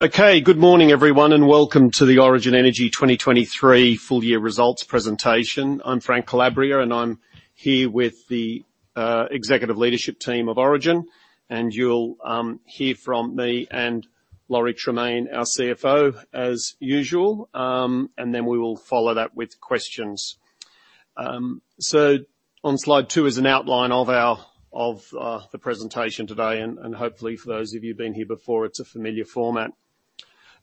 Okay, good morning, everyone. Welcome to the Origin Energy 2023 full year results presentation. I'm Frank Calabria. I'm here with the executive leadership team of Origin. You'll hear from me and Lawrie Tremaine, our CFO, as usual. Then we will follow that with questions. On slide two is an outline of the presentation today, and hopefully, for those of you who've been here before, it's a familiar format.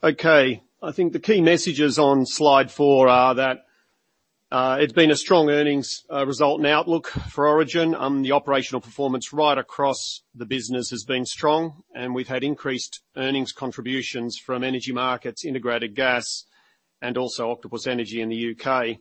Okay, I think the key messages on slide four are that it's been a strong earnings result and outlook for Origin. The operational performance right across the business has been strong. We've had increased earnings contributions from energy markets, integrated gas, and also Octopus Energy in the U.K.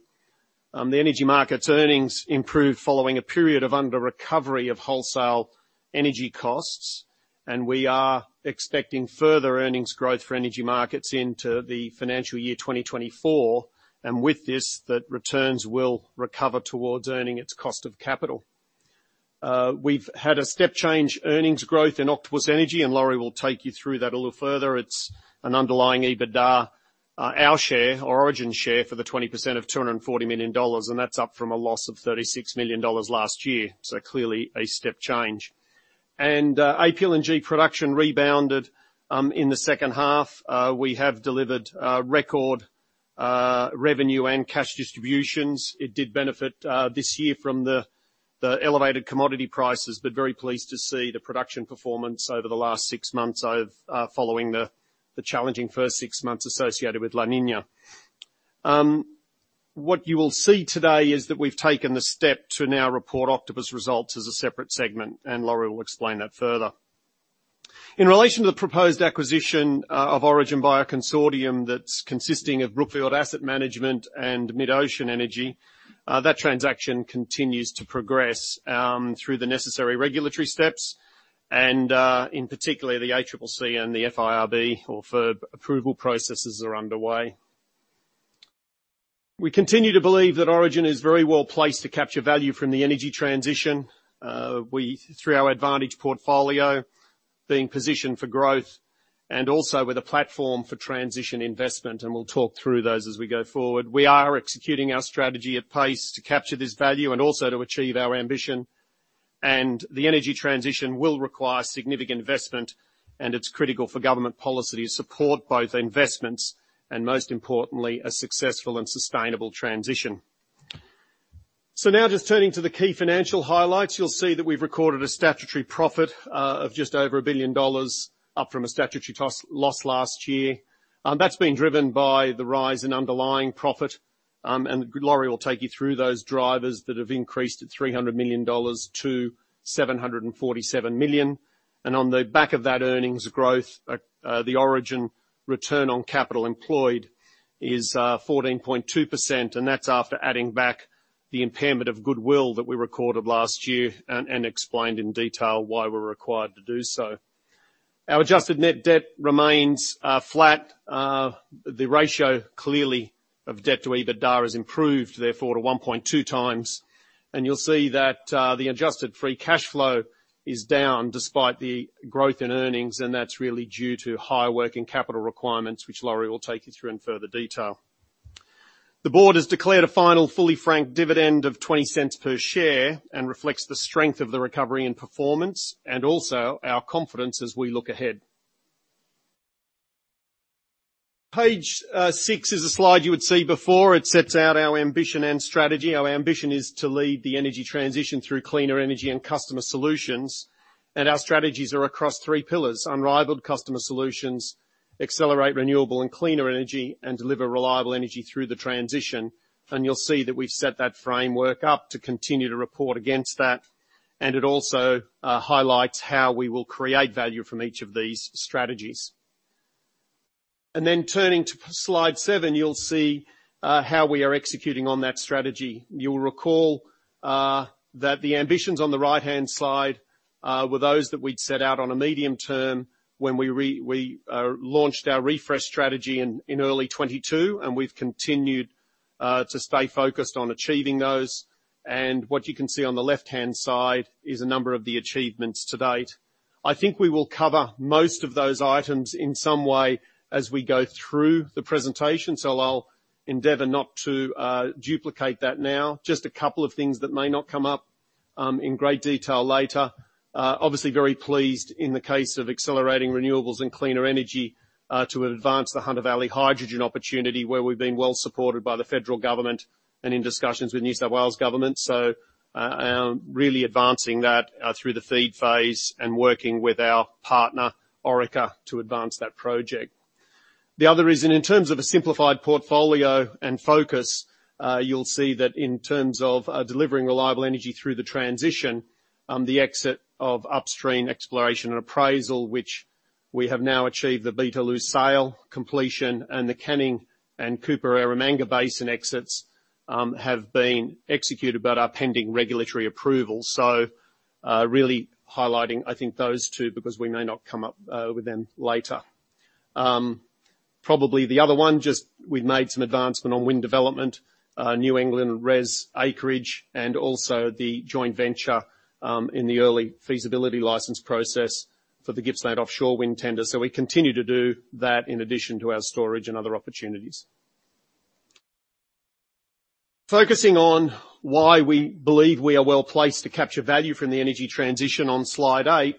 The energy markets earnings improved following a period of under recovery of wholesale energy costs, and we are expecting further earnings growth for energy markets into the financial year 2024, and with this, that returns will recover towards earning its cost of capital. We've had a step change earnings growth in Octopus Energy, and Lawrie will take you through that a little further. It's an underlying EBITDA, our share, Origin share, for the 20% of 240 million dollars, and that's up from a loss of 36 million dollars last year, so clearly a step change. AP LNG production rebounded in the second half. We have delivered record revenue and cash distributions. It did benefit this year from the, the elevated commodity prices, but very pleased to see the production performance over the last six months of following the, the challenging first six months associated with La Niña. What you will see today is that we've taken the step to now report Octopus results as a separate segment. Lawrie will explain that further. In relation to the proposed acquisition of Origin by a consortium that's consisting of Brookfield Asset Management and MidOcean Energy, that transaction continues to progress through the necessary regulatory steps and, in particular, the ACCC and the FIRB, or FIRB approval processes are underway. We continue to believe that Origin is very well placed to capture value from the energy transition, we, through our advantage portfolio, being positioned for growth and also with a platform for transition investment, and we'll talk through those as we go forward. We are executing our strategy at pace to capture this value and also to achieve our ambition. The energy transition will require significant investment, and it's critical for government policy to support both investments and, most importantly, a successful and sustainable transition. Now just turning to the key financial highlights, you'll see that we've recorded a statutory profit of just over 1 billion dollars, up from a statutory loss last year. That's been driven by the rise in underlying profit. Lawrie will take you through those drivers that have increased at 300 million dollars to 747 million. On the back of that earnings growth, the Origin Return on Capital Employed is 14.2%, and that's after adding back the impairment of goodwill that we recorded last year and explained in detail why we're required to do so. Our Adjusted Net Debt remains flat. The ratio, clearly, of debt to EBITDA has improved, therefore, to 1.2x. You'll see that the Adjusted Free Cash Flow is down, despite the growth in earnings, and that's really due to higher working capital requirements, which Lawrie will take you through in further detail. The board has declared a final fully frank dividend of 0.20 per share and reflects the strength of the recovery and performance and also our confidence as we look ahead. Page six is a slide you would see before. It sets out our ambition and strategy. Our ambition is to lead the energy transition through cleaner energy and customer solutions, and our strategies are across three pillars: unrivaled customer solutions, accelerate renewable and cleaner energy, and deliver reliable energy through the transition. You'll see that we've set that framework up to continue to report against that, and it also highlights how we will create value from each of these strategies. Turning to slide seven, you'll see how we are executing on that strategy. You'll recall that the ambitions on the right-hand side were those that we'd set out on a medium term when we launched our refresh strategy in early 2022, and we've continued to stay focused on achieving those. What you can see on the left-hand side is a number of the achievements to date. I think we will cover most of those items in some way as we go through the presentation, so I'll endeavor not to duplicate that now. Just a couple of things that may not come up in great detail later. Obviously very pleased in the case of accelerating renewables and cleaner energy to advance the Hunter Valley hydrogen opportunity, where we've been well supported by the federal government and in discussions with New South Wales government. Really advancing that through the FEED phase and working with our partner, Orica, to advance that project. The other is in, in terms of a simplified portfolio and focus, you'll see that in terms of delivering reliable energy through the transition, the exit of upstream exploration and appraisal, which we have now achieved, the Beetaloo sale completion and the Canning and Cooper Eromanga Basin exits have been executed but are pending regulatory approval. Really highlighting, I think, those two, because we may not come up with them later. Probably the other one, just we've made some advancement on wind development, New England REZ acreage, and also the joint venture in the early feasibility license process for the Gippsland Offshore Wind tender. We continue to do that in addition to our storage and other opportunities. Focusing on why we believe we are well-placed to capture value from the energy transition, on Slide eight,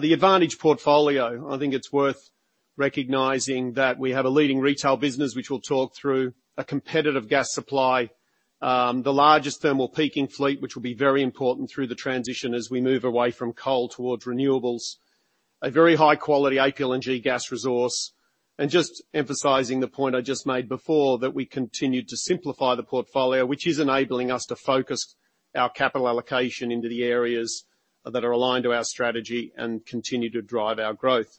the advantage portfolio, I think it's worth recognizing that we have a leading retail business, which we'll talk through, a competitive gas supply, the largest thermal peaking fleet, which will be very important through the transition as we move away from coal towards renewables, a very high-quality APLNG gas resource. Just emphasizing the point I just made before, that we continued to simplify the portfolio, which is enabling us to focus our capital allocation into the areas that are aligned to our strategy and continue to drive our growth.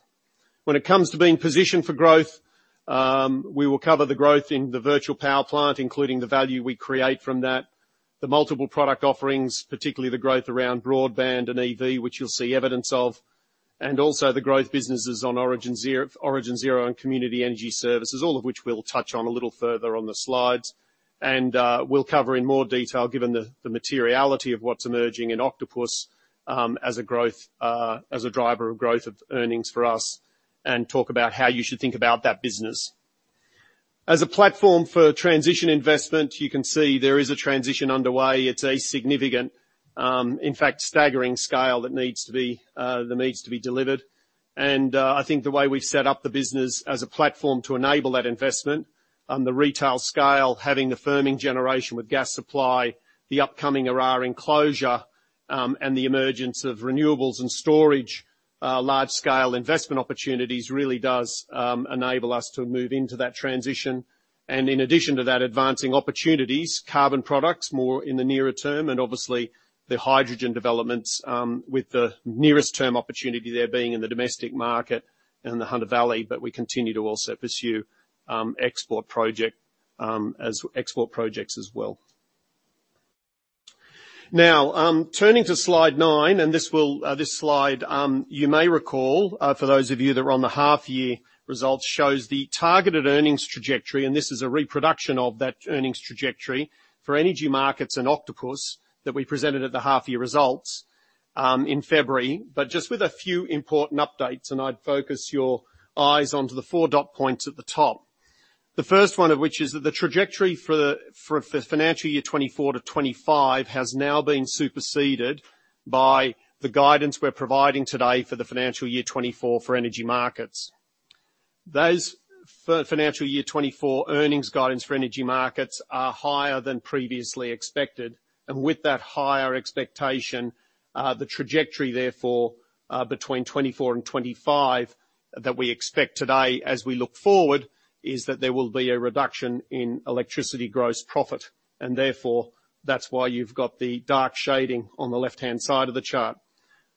When it comes to being positioned for growth, we will cover the growth in the virtual power plant, including the value we create from that, the multiple product offerings, particularly the growth around broadband and EV, which you'll see evidence of, and also the growth businesses on Origin Zero, Origin Zero and Community Energy Services, all of which we'll touch on a little further on the slides. We'll cover in more detail, given the materiality of what's emerging in Octopus, as a growth, as a driver of growth of earnings for us, and talk about how you should think about that business. As a platform for transition investment, you can see there is a transition underway. It's a significant, in fact, staggering scale that needs to be, that needs to be delivered. I think the way we've set up the business as a platform to enable that investment, the retail scale, having the firming generation with gas supply, the upcoming Eraring closure, and the emergence of renewables and storage, large-scale investment opportunities, really does enable us to move into that transition. In addition to that, advancing opportunities, carbon products, more in the nearer term, and obviously, the hydrogen developments, with the nearest term opportunity there being in the domestic market and the Hunter Valley, but we continue to also pursue export project as export projects as well. Turning to Slide nine, this slide, you may recall, for those of you that were on the half-year results, shows the targeted earnings trajectory. This is a reproduction of that earnings trajectory for energy markets and Octopus that we presented at the half-year results in February, just with a few important updates. I'd focus your eyes onto the 4 dot points at the top. The first one of which is that the trajectory for the financial year 2024-2025 has now been superseded by the guidance we're providing today for the financial year 2024 for energy markets. Those for financial year 2024 earnings guidance for Energy Markets are higher than previously expected. With that higher expectation, the trajectory, therefore, between 2024 and 2025, that we expect today as we look forward, is that there will be a reduction in electricity gross profit. Therefore, that's why you've got the dark shading on the left-hand side of the chart.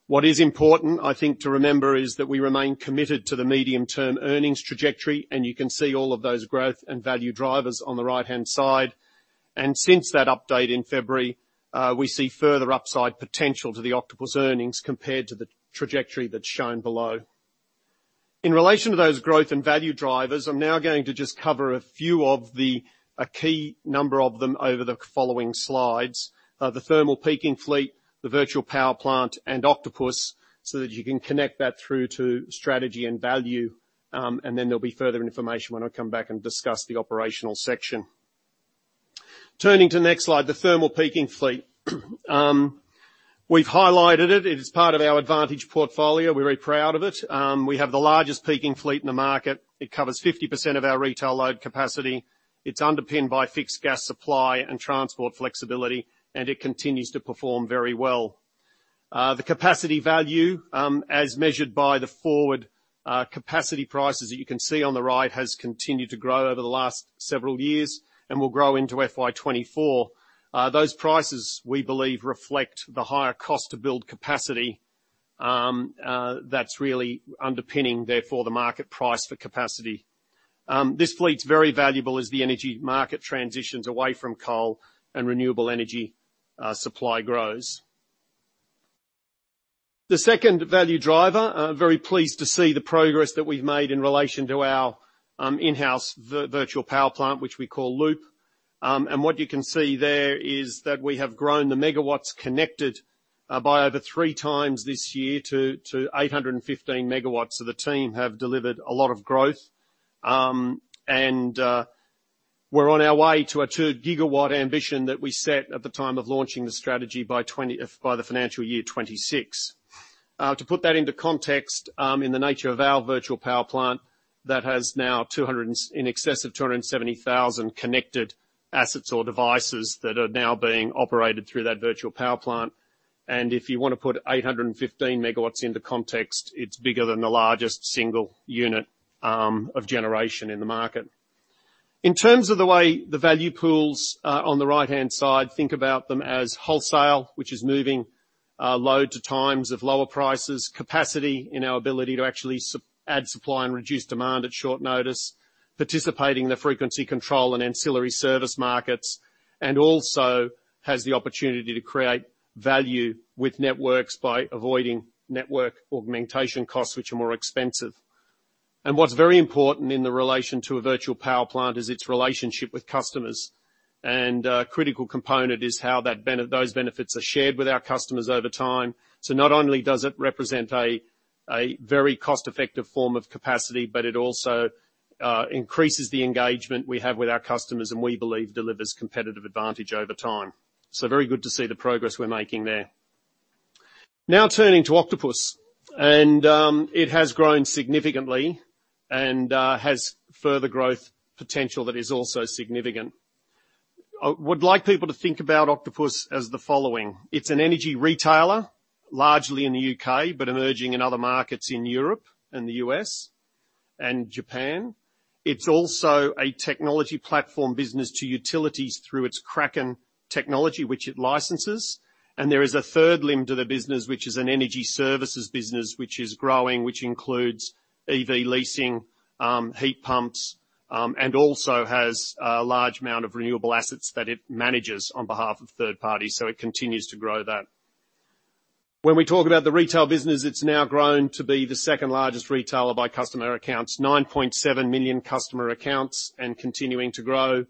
What is important, I think, to remember, is that we remain committed to the medium-term earnings trajectory. You can see all of those growth and value drivers on the right-hand side. Since that update in February, we see further upside potential to the Octopus earnings, compared to the trajectory that's shown below. In relation to those growth and value drivers, I'm now going to just cover a few of the... A key number of them over the following slides, the thermal peaking fleet, the virtual power plant, and Octopus, so that you can connect that through to strategy and value. Then there'll be further information when I come back and discuss the operational section. Turning to the next slide, the thermal peaking fleet. We've highlighted it. It is part of our advantage portfolio. We're very proud of it. We have the largest peaking fleet in the market. It covers 50% of our retail load capacity. It's underpinned by fixed gas supply and transport flexibility, and it continues to perform very well. The capacity value, as measured by the forward capacity prices that you can see on the right, has continued to grow over the last several years and will grow into FY 2024. Those prices, we believe, reflect the higher cost to build capacity, that's really underpinning, therefore, the market price for capacity. This fleet's very valuable as the energy market transitions away from coal and renewable energy supply grows. The second value driver, very pleased to see the progress that we've made in relation to our in-house virtual power plant, which we call Loop. What you can see there is that we have grown the megawatts connected by over three times this year to 815 MW, so the team have delivered a lot of growth. We're on our way to a 2 GW ambition that we set at the time of launching the strategy by the financial year 2026. To put that into context, in the nature of our virtual power plant, that has now in excess of 270,000 connected assets or devices that are now being operated through that virtual power plant. If you want to put 815 MW into context, it's bigger than the largest single unit of generation in the market. In terms of the way the value pools on the right-hand side, think about them as wholesale, which is moving load to times of lower prices, capacity in our ability to actually add supply and reduce demand at short notice, participating in the Frequency Control Ancillary Services markets. Also has the opportunity to create value with networks by avoiding network augmentation costs, which are more expensive. What's very important in the relation to a virtual power plant is its relationship with customers, and a critical component is how those benefits are shared with our customers over time. Not only does it represent a very cost-effective form of capacity, but it also increases the engagement we have with our customers, and we believe delivers competitive advantage over time. Very good to see the progress we're making there. Now, turning to Octopus, and it has grown significantly and has further growth potential that is also significant. I would like people to think about Octopus as the following: it's an energy retailer, largely in the U.K., but emerging in other markets in Europe, and the U.S., and Japan. It's also a technology platform business to utilities through its Kraken technology, which it licenses. There is a third limb to the business, which is an energy services business, which is growing, which includes EV leasing, heat pumps, and also has a large amount of renewable assets that it manages on behalf of third parties. It continues to grow that. When we talk about the retail business, it's now grown to be the second-largest retailer by customer accounts, 9.7 million customer accounts and continuing to grow.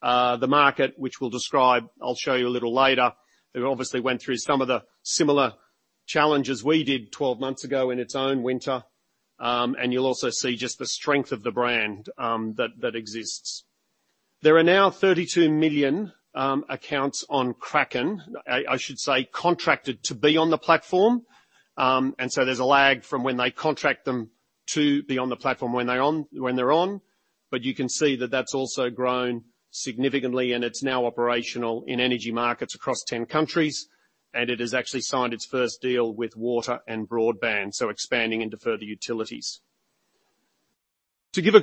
The market, which we'll describe, I'll show you a little later, it obviously went through some of the similar challenges we did 12 months ago in its own winter. You'll also see just the strength of the brand that exists. There are now 32 million accounts on Kraken. I, I should say, contracted to be on the platform. There's a lag from when they contract them to be on the platform when they're on, when they're on, but you can see that that's also grown significantly, and it's now operational in energy markets across 10 countries, and it has actually signed its first deal with water and broadband, so expanding into further utilities. To give.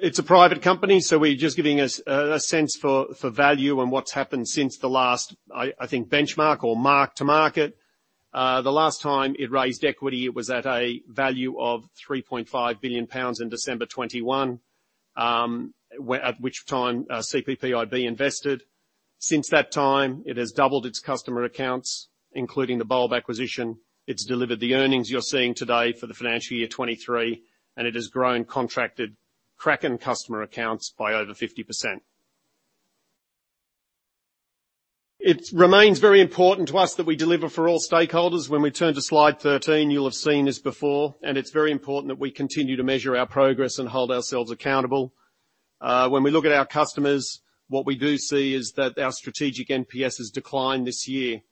It's a private company, so we're just giving us a sense for value and what's happened since the last benchmark or mark to market. The last time it raised equity, it was at a value of 3.5 billion pounds in December 2021. At which time, CPPIB invested. Since that time, it has doubled its customer accounts, including the Bulb acquisition. It's delivered the earnings you're seeing today for the financial year 2023. It has grown contracted Kraken customer accounts by over 50%. It remains very important to us that we deliver for all stakeholders. When we turn to slide 13, you'll have seen this before. It's very important that we continue to measure our progress and hold ourselves accountable. When we look at our customers, what we do see is that our strategic NPS has declined this year.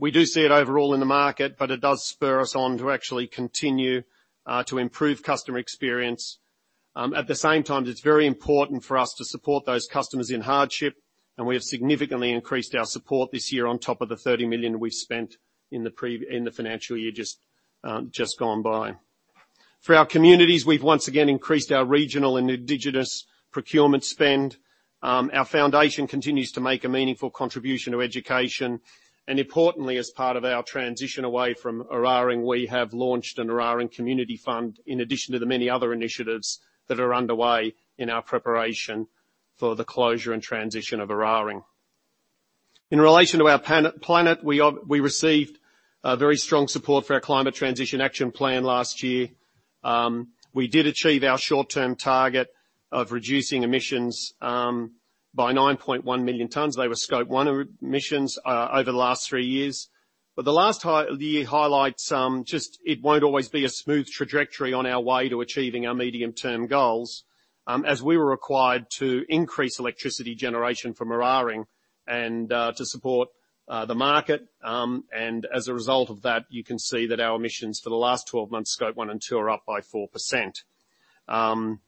We do see it overall in the market. It does spur us on to actually continue to improve customer experience. At the same time, it's very important for us to support those customers in hardship. We have significantly increased our support this year on top of the 30 million we've spent in the pre- in the financial year just gone by. For our communities, we've once again increased our regional and indigenous procurement spend. Our foundation continues to make a meaningful contribution to education, and importantly, as part of our transition away from Eraring, we have launched an Eraring Community Investment Fund, in addition to the many other initiatives that are underway in our preparation for the closure and transition of Eraring. In relation to our planet, we received very strong support for our Climate Transition Action Plan last year. We did achieve our short-term target of reducing emissions by 9.1 million tons. They were Scope 1 emissions over the last three years. The highlights, just it won't always be a smooth trajectory on our way to achieving our medium-term goals, as we were required to increase electricity generation from Eraring and to support the market. As a result of that, you can see that our emissions for the last 12 months, Scope 1 and 2, are up by 4%.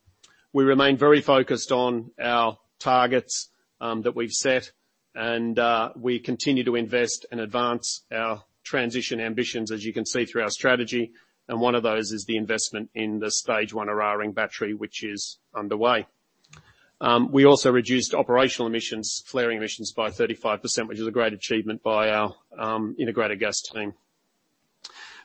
We remain very focused on our targets that we've set, and we continue to invest and advance our transition ambitions, as you can see through our strategy, and one of those is the investment in the stage one Eraring Battery, which is underway. We also reduced operational emissions, flaring emissions, by 35%, which is a great achievement by our integrated gas team.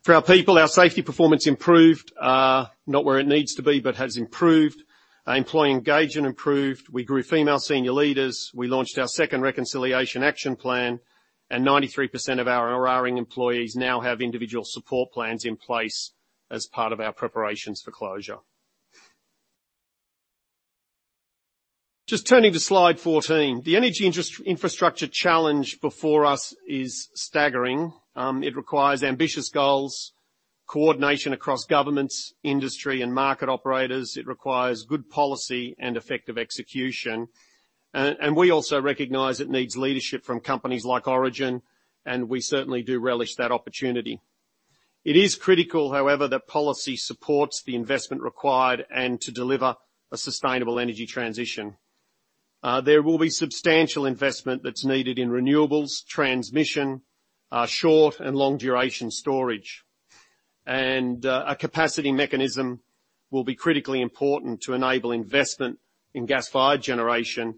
For our people, our safety performance improved, not where it needs to be, but has improved. Our employee engagement improved, we grew female senior leaders, we launched our second Reconciliation Action Plan. 93% of our Eraring employees now have individual support plans in place as part of our preparations for closure. Just turning to slide 14. The energy infrastructure challenge before us is staggering. It requires ambitious goals, coordination across governments, industry, and market operators. It requires good policy and effective execution. We also recognize it needs leadership from companies like Origin, and we certainly do relish that opportunity. It is critical, however, that policy supports the investment required and to deliver a sustainable energy transition. There will be substantial investment that's needed in renewables, transmission, short and long-duration storage. A capacity mechanism will be critically important to enable investment in gas-fired generation,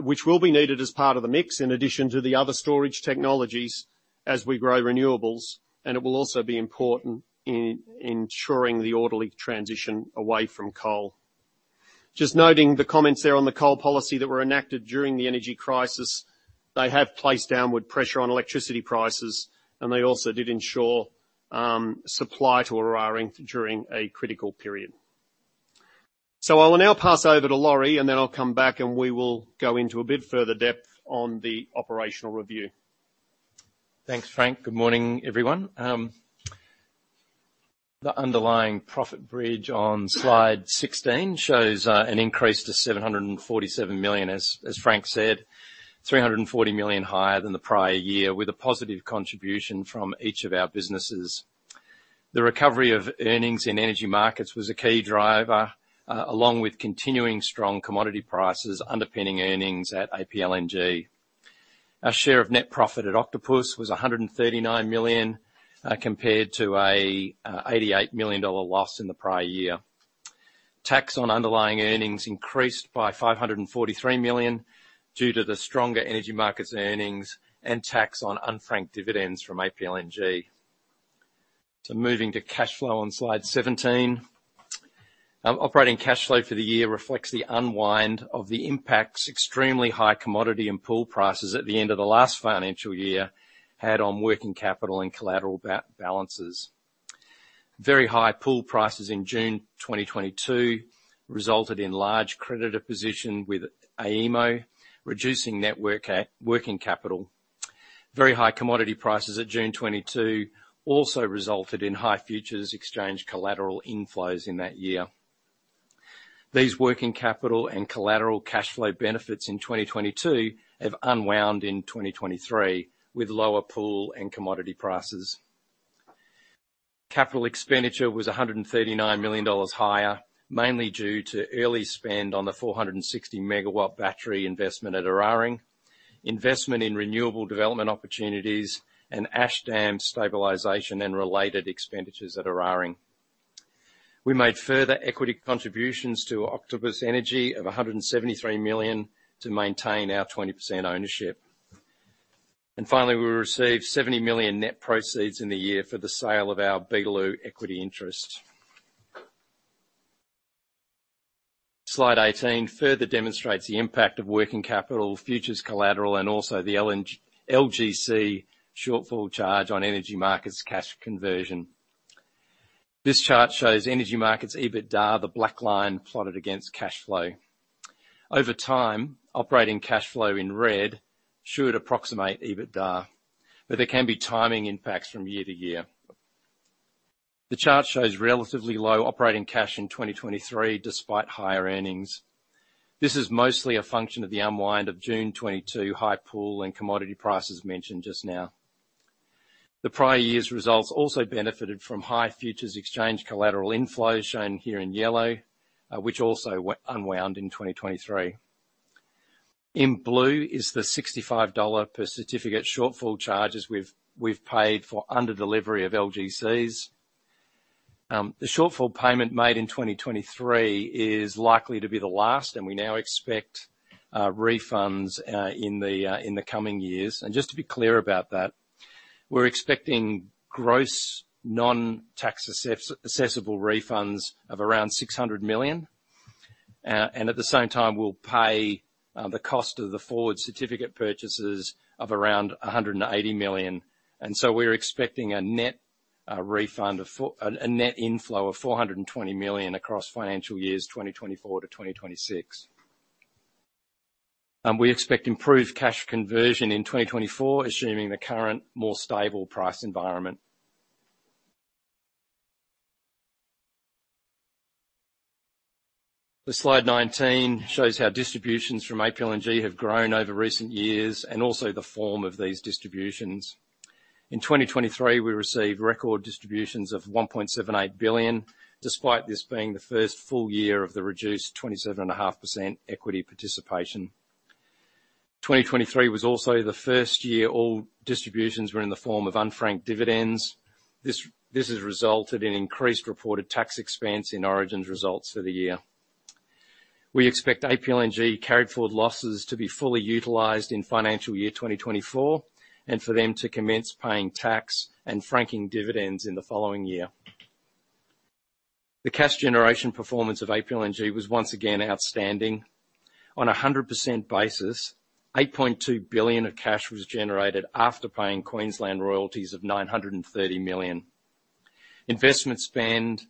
which will be needed as part of the mix, in addition to the other storage technologies as we grow renewables, and it will also be important in, ensuring the orderly transition away from coal. Just noting the comments there on the coal policy that were enacted during the energy crisis, they have placed downward pressure on electricity prices, and they also did ensure supply to Eraring during a critical period. I will now pass over to Lawrie, and then I'll come back and we will go into a bit further depth on the operational review. Thanks, Frank. Good morning, everyone. The underlying profit bridge on slide 16 shows an increase to 747 million, as Frank said, 340 million higher than the prior year, with a positive contribution from each of our businesses. The recovery of earnings in energy markets was a key driver, along with continuing strong commodity prices, underpinning earnings at APLNG. Our share of net profit at Octopus was 139 million, compared to an 88 million dollar loss in the prior year. Tax on underlying earnings increased by 543 million due to the stronger energy markets earnings and tax on unfranked dividends from APLNG. Moving to cash flow on slide 17. Operating cash flow for the year reflects the unwind of the impacts, extremely high commodity and pool prices at the end of the last financial year, had on working capital and collateral balances. Very high pool prices in June 2022, resulted in large creditor position with AEMO, reducing network working capital. Very high commodity prices at June 2022 also resulted in high futures exchange collateral inflows in that year. These working capital and collateral cash flow benefits in 2022 have unwound in 2023, with lower pool and commodity prices. Capital expenditure was 139 million dollars higher, mainly due to early spend on the 460 MW battery investment at Eraring, investment in renewable development opportunities, and ash dam stabilization and related expenditures at Eraring. We made further equity contributions to Octopus Energy of 173 million to maintain our 20% ownership. Finally, we received 70 million net proceeds in the year for the sale of our Beetaloo equity interest. Slide 18 further demonstrates the impact of working capital, futures collateral, and also the LGC shortfall charge on energy markets cash conversion. This chart shows energy markets, EBITDA, the black line plotted against cash flow. Over time, operating cash flow in red should approximate EBITDA, there can be timing impacts from year to year. The chart shows relatively low operating cash in 2023, despite higher earnings. This is mostly a function of the unwind of June 2022, high pool and commodity prices mentioned just now. The prior year's results also benefited from high futures exchange collateral inflows, shown here in yellow, which also unwound in 2023. In blue is the 65 dollar per certificate shortfall charges we've, we've paid for under delivery of LGCs. The shortfall payment made in 2023 is likely to be the last. We now expect refunds in the coming years. Just to be clear about that, we're expecting gross, non-tax assessable refunds of around 600 million, at the same time, we'll pay the cost of the forward certificate purchases of around 180 million. So we're expecting a net inflow of 420 million across financial years, 2024-2026. We expect improved cash conversion in 2024, assuming the current, more stable price environment. The slide 19 shows how distributions from APLNG have grown over recent years and also the form of these distributions. In 2023, we received record distributions of 1.78 billion, despite this being the first full year of the reduced 27.5% equity participation. 2023 was also the first year all distributions were in the form of unfranked dividends. This has resulted in increased reported tax expense in Origin's results for the year. We expect APLNG carried forward losses to be fully utilized in financial year 2024, and for them to commence paying tax and franking dividends in the following year. The cash generation performance of APLNG was once again outstanding. On a 100% basis, 8.2 billion of cash was generated after paying Queensland royalties of 930 million. Investment spend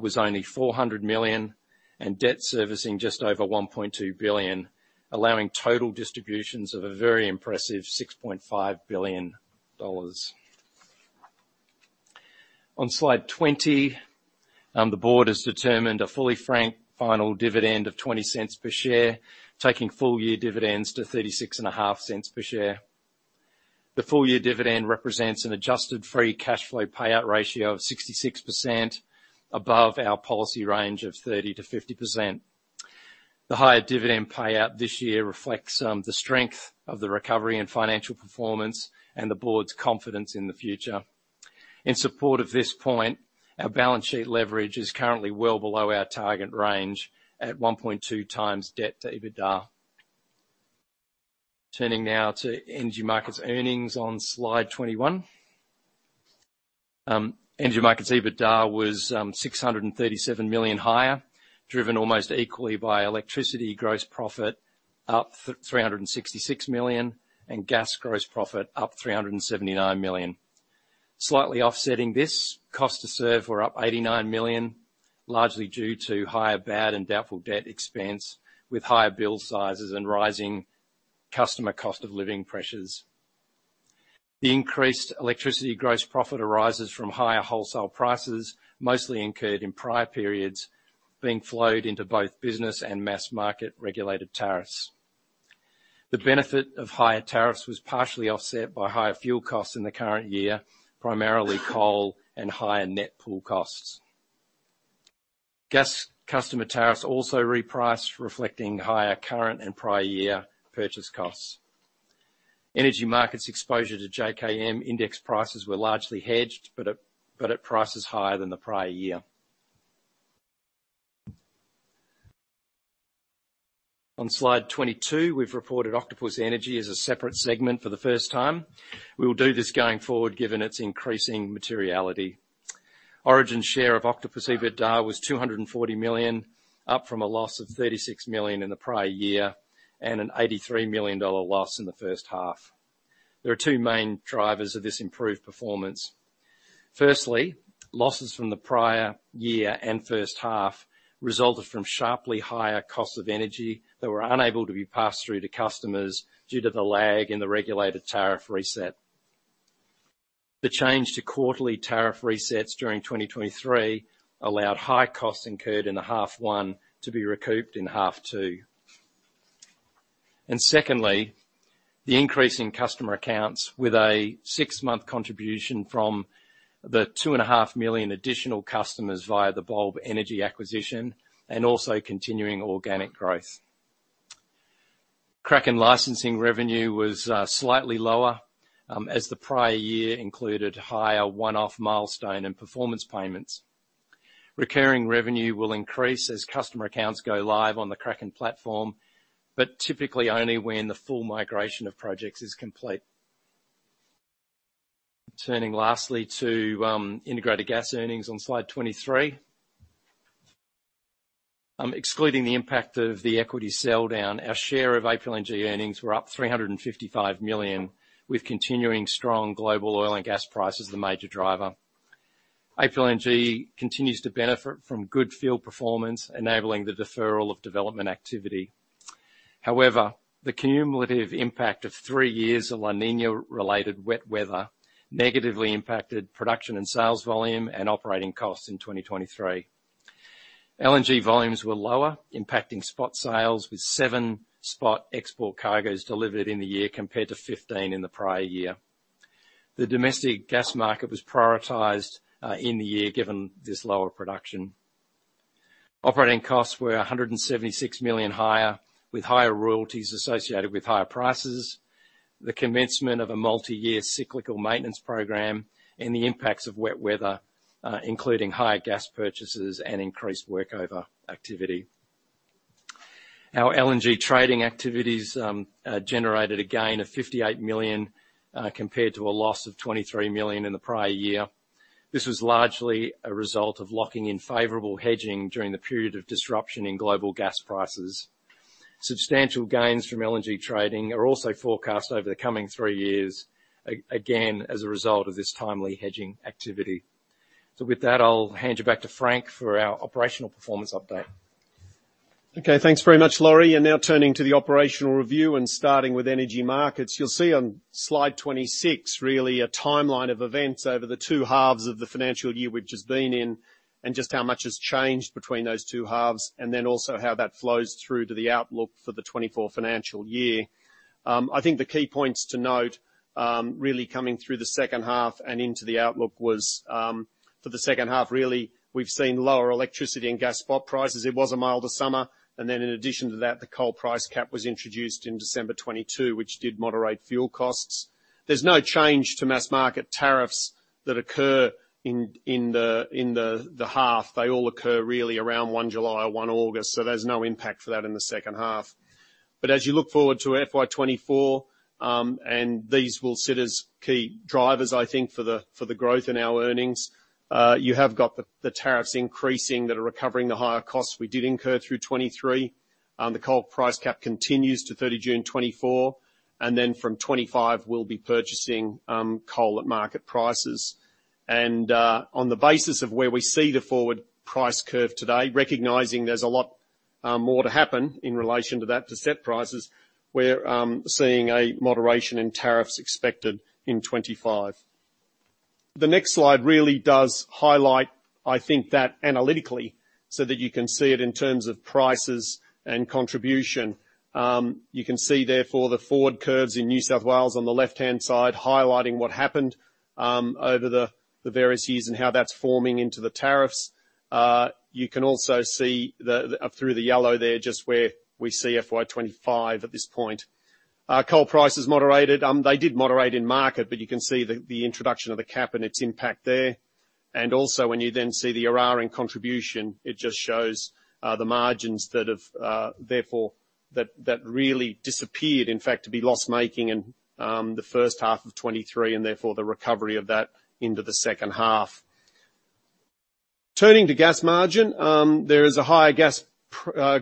was only 400 million, and debt servicing just over 1.2 billion, allowing total distributions of a very impressive 6.5 billion dollars. On slide 20, the board has determined a fully frank final dividend of 0.20 per share, taking full-year dividends to 0.365 per share. The full-year dividend represents an Adjusted Free Cash Flow payout ratio of 66% above our policy range of 30%-50%. The higher dividend payout this year reflects the strength of the recovery and financial performance and the board's confidence in the future. In support of this point, our balance sheet leverage is currently well below our target range at 1.2x debt to EBITDA. Turning now to Energy Markets earnings on slide 21. Energy Markets' EBITDA was 637 million higher, driven almost equally by electricity gross profit, up 366 million, and gas gross profit, up 379 million. Slightly offsetting this, cost to serve were up 89 million, largely due to higher bad and doubtful debt expense, with higher bill sizes and rising customer cost of living pressures. The increased electricity gross profit arises from higher wholesale prices, mostly incurred in prior periods, being flowed into both business and mass market regulated tariffs. The benefit of higher tariffs was partially offset by higher fuel costs in the current year, primarily coal and higher net pool costs. Gas customer tariffs also repriced, reflecting higher current and prior year purchase costs. Energy Markets' exposure to JKM index prices were largely hedged, but at prices higher than the prior year. On slide 22, we've reported Octopus Energy as a separate segment for the first time. We will do this going forward, given its increasing materiality. Origin share of Octopus EBITDA was 240 million, up from a loss of 36 million in the prior year, and an 83 million dollar loss in the first half. There are two main drivers of this improved performance. Firstly, losses from the prior year and first half resulted from sharply higher costs of energy that were unable to be passed through to customers due to the lag in the regulated tariff reset. The change to quarterly tariff resets during 2023 allowed high costs incurred in half one to be recouped in half two. Secondly, the increase in customer accounts with a six-month contribution from the 2.5 million additional customers via the Bulb Energy acquisition, and also continuing organic growth. Kraken licensing revenue was slightly lower as the prior year included higher one-off milestone and performance payments. Recurring revenue will increase as customer accounts go live on the Kraken platform, typically only when the full migration of projects is complete. Turning lastly to integrated gas earnings on slide 23. Excluding the impact of the equity sell-down, our share of APLNG earnings were up 355 million, with continuing strong global oil and gas prices, the major driver. APLNG continues to benefit from good field performance, enabling the deferral of development activity. However, the cumulative impact of three years of La Niña-related wet weather negatively impacted production and sales volume and operating costs in 2023. LNG volumes were lower, impacting spot sales, with seven spot export cargoes delivered in the year, compared to 15 in the prior year. The domestic gas market was prioritized in the year, given this lower production. Operating costs were 176 million higher, with higher royalties associated with higher prices, the commencement of a multi-year cyclical maintenance program, and the impacts of wet weather, including higher gas purchases and increased workover activity. Our LNG trading activities generated a gain of 58 million, compared to a loss of 23 million in the prior year. This was largely a result of locking in favorable hedging during the period of disruption in global gas prices. Substantial gains from LNG trading are also forecast over the coming three years, again, as a result of this timely hedging activity. With that, I'll hand you back to Frank for our operational performance update. Okay, thanks very much, Lawrie. Now turning to the operational review, and starting with energy markets. You'll see on slide 26, really a timeline of events over the two halves of the financial year we've just been in, and just how much has changed between those two halves, and then also how that flows through to the outlook for the 24 financial year. I think the key points to note, really coming through the second half and into the outlook was, for the second half, really, we've seen lower electricity and gas spot prices. It was a milder summer, and then in addition to that, the coal price cap was introduced in December 2022, which did moderate fuel costs. There's no change to mass market tariffs that occur in the half. They all occur really around one July or one August, so there's no impact for that in the second half. As you look forward to FY 2024, and these will sit as key drivers, I think, for the, for the growth in our earnings, you have got the, the tariffs increasing that are recovering the higher costs we did incur through 2023. The coal price cap continues to 30 June 2024, and then from 2025, we'll be purchasing coal at market prices. On the basis of where we see the forward price curve today, recognizing there's a lot more to happen in relation to that, to set prices, we're seeing a moderation in tariffs expected in 2025. The next slide really does highlight, I think, that analytically, so that you can see it in terms of prices and contribution. You can see, therefore, the forward curves in New South Wales on the left-hand side, highlighting what happened over the various years and how that's forming into the tariffs. You can also see up through the yellow there, just where we see FY 2025 at this point. Our coal price has moderated. They did moderate in market, you can see the introduction of the cap and its impact there. Also, when you then see the Eraring contribution, it just shows the margins that have, therefore, really disappeared, in fact, to be loss-making in the first half of 2023, and therefore, the recovery of that into the second half. Turning to gas margin, there is a higher gas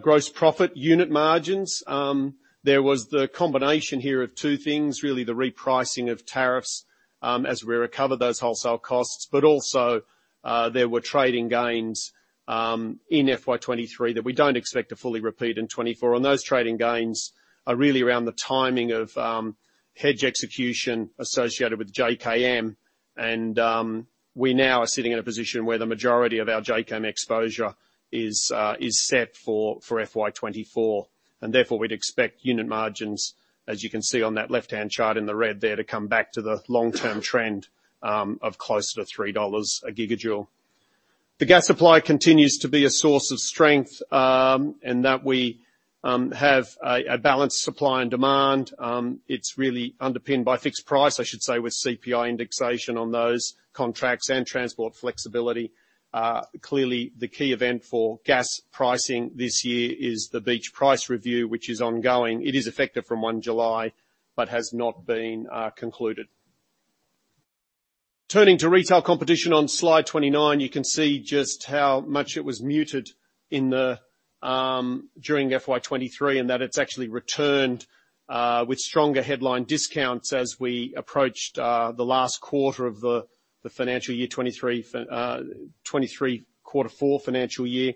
gross profit unit margins. There was the combination here of two things, really, the repricing of tariffs, as we recover those wholesale costs. There were trading gains in FY 2023 that we don't expect to fully repeat in 2024. Those trading gains are really around the timing of hedge execution associated with JKM. We now are sitting in a position where the majority of our JKM exposure is set for FY 2024, and therefore, we'd expect unit margins, as you can see on that left-hand chart in the red there, to come back to the long-term trend of closer to 3 dollars a gigajoule. The gas supply continues to be a source of strength in that we have a balanced supply and demand. It's really underpinned by fixed price, I should say, with CPI indexation on those contracts and transport flexibility. Clearly, the key event for gas pricing this year is the Beach price review, which is ongoing. It is effective from 1 July, but has not been concluded. Turning to retail competition on slide 29, you can see just how much it was muted in the during FY 2023, and that it's actually returned with stronger headline discounts as we approached the last quarter of the financial year, 2023, 2023 quarter four financial year.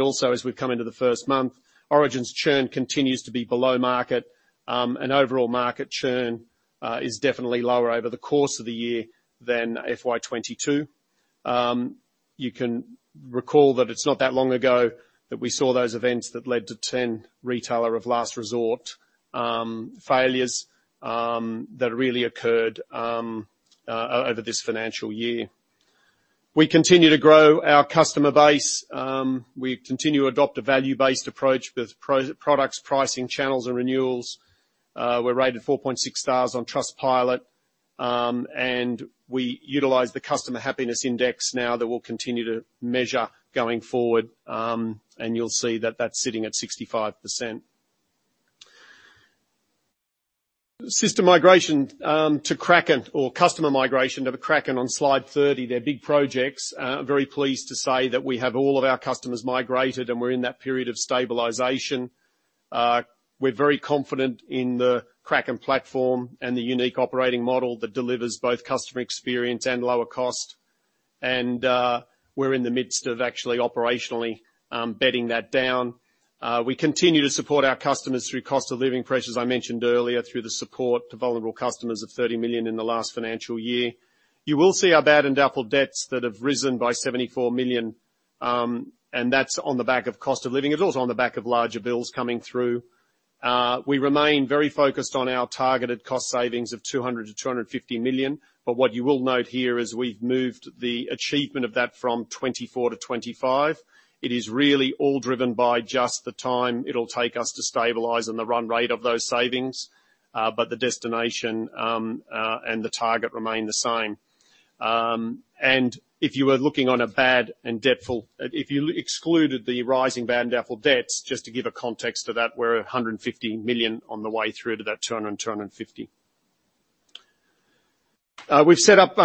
Also, as we've come into the first month, Origin's churn continues to be below market. Overall market churn is definitely lower over the course of the year than FY 2022. You can recall that it's not that long ago that we saw those events that led to 10 Retailer of Last Resort failures that really occurred over this financial year. We continue to grow our customer base. We continue to adopt a value-based approach with products, pricing, channels, and renewals. We're rated 4.6 stars on Trustpilot, and we utilize the Customer Happiness Index now that we'll continue to measure going forward. And you'll see that that's sitting at 65%. System migration to Kraken or customer migration to Kraken on slide 30. They're big projects. Very pleased to say that we have all of our customers migrated, and we're in that period of stabilization. We're very confident in the Kraken platform, and the unique operating model that delivers both customer experience and lower cost. We're in the midst of actually, operationally, bedding that down. We continue to support our customers through cost of living pressures, I mentioned earlier, through the support to vulnerable customers of 30 million in the last financial year. You will see our bad and doubtful debts that have risen by 74 million, and that's on the back of cost of living. It's also on the back of larger bills coming through. We remain very focused on our targeted cost savings of 200 million-250 million, but what you will note here is we've moved the achievement of that from 2024 to 2025. It is really all driven by just the time it'll take us to stabilize and the run rate of those savings, but the destination and the target remain the same. If you were looking on a bad and doubtful-- if you excluded the rising bad and doubtful debts, just to give a context to that, we're at 150 million on the way through to that 200-250. We've set up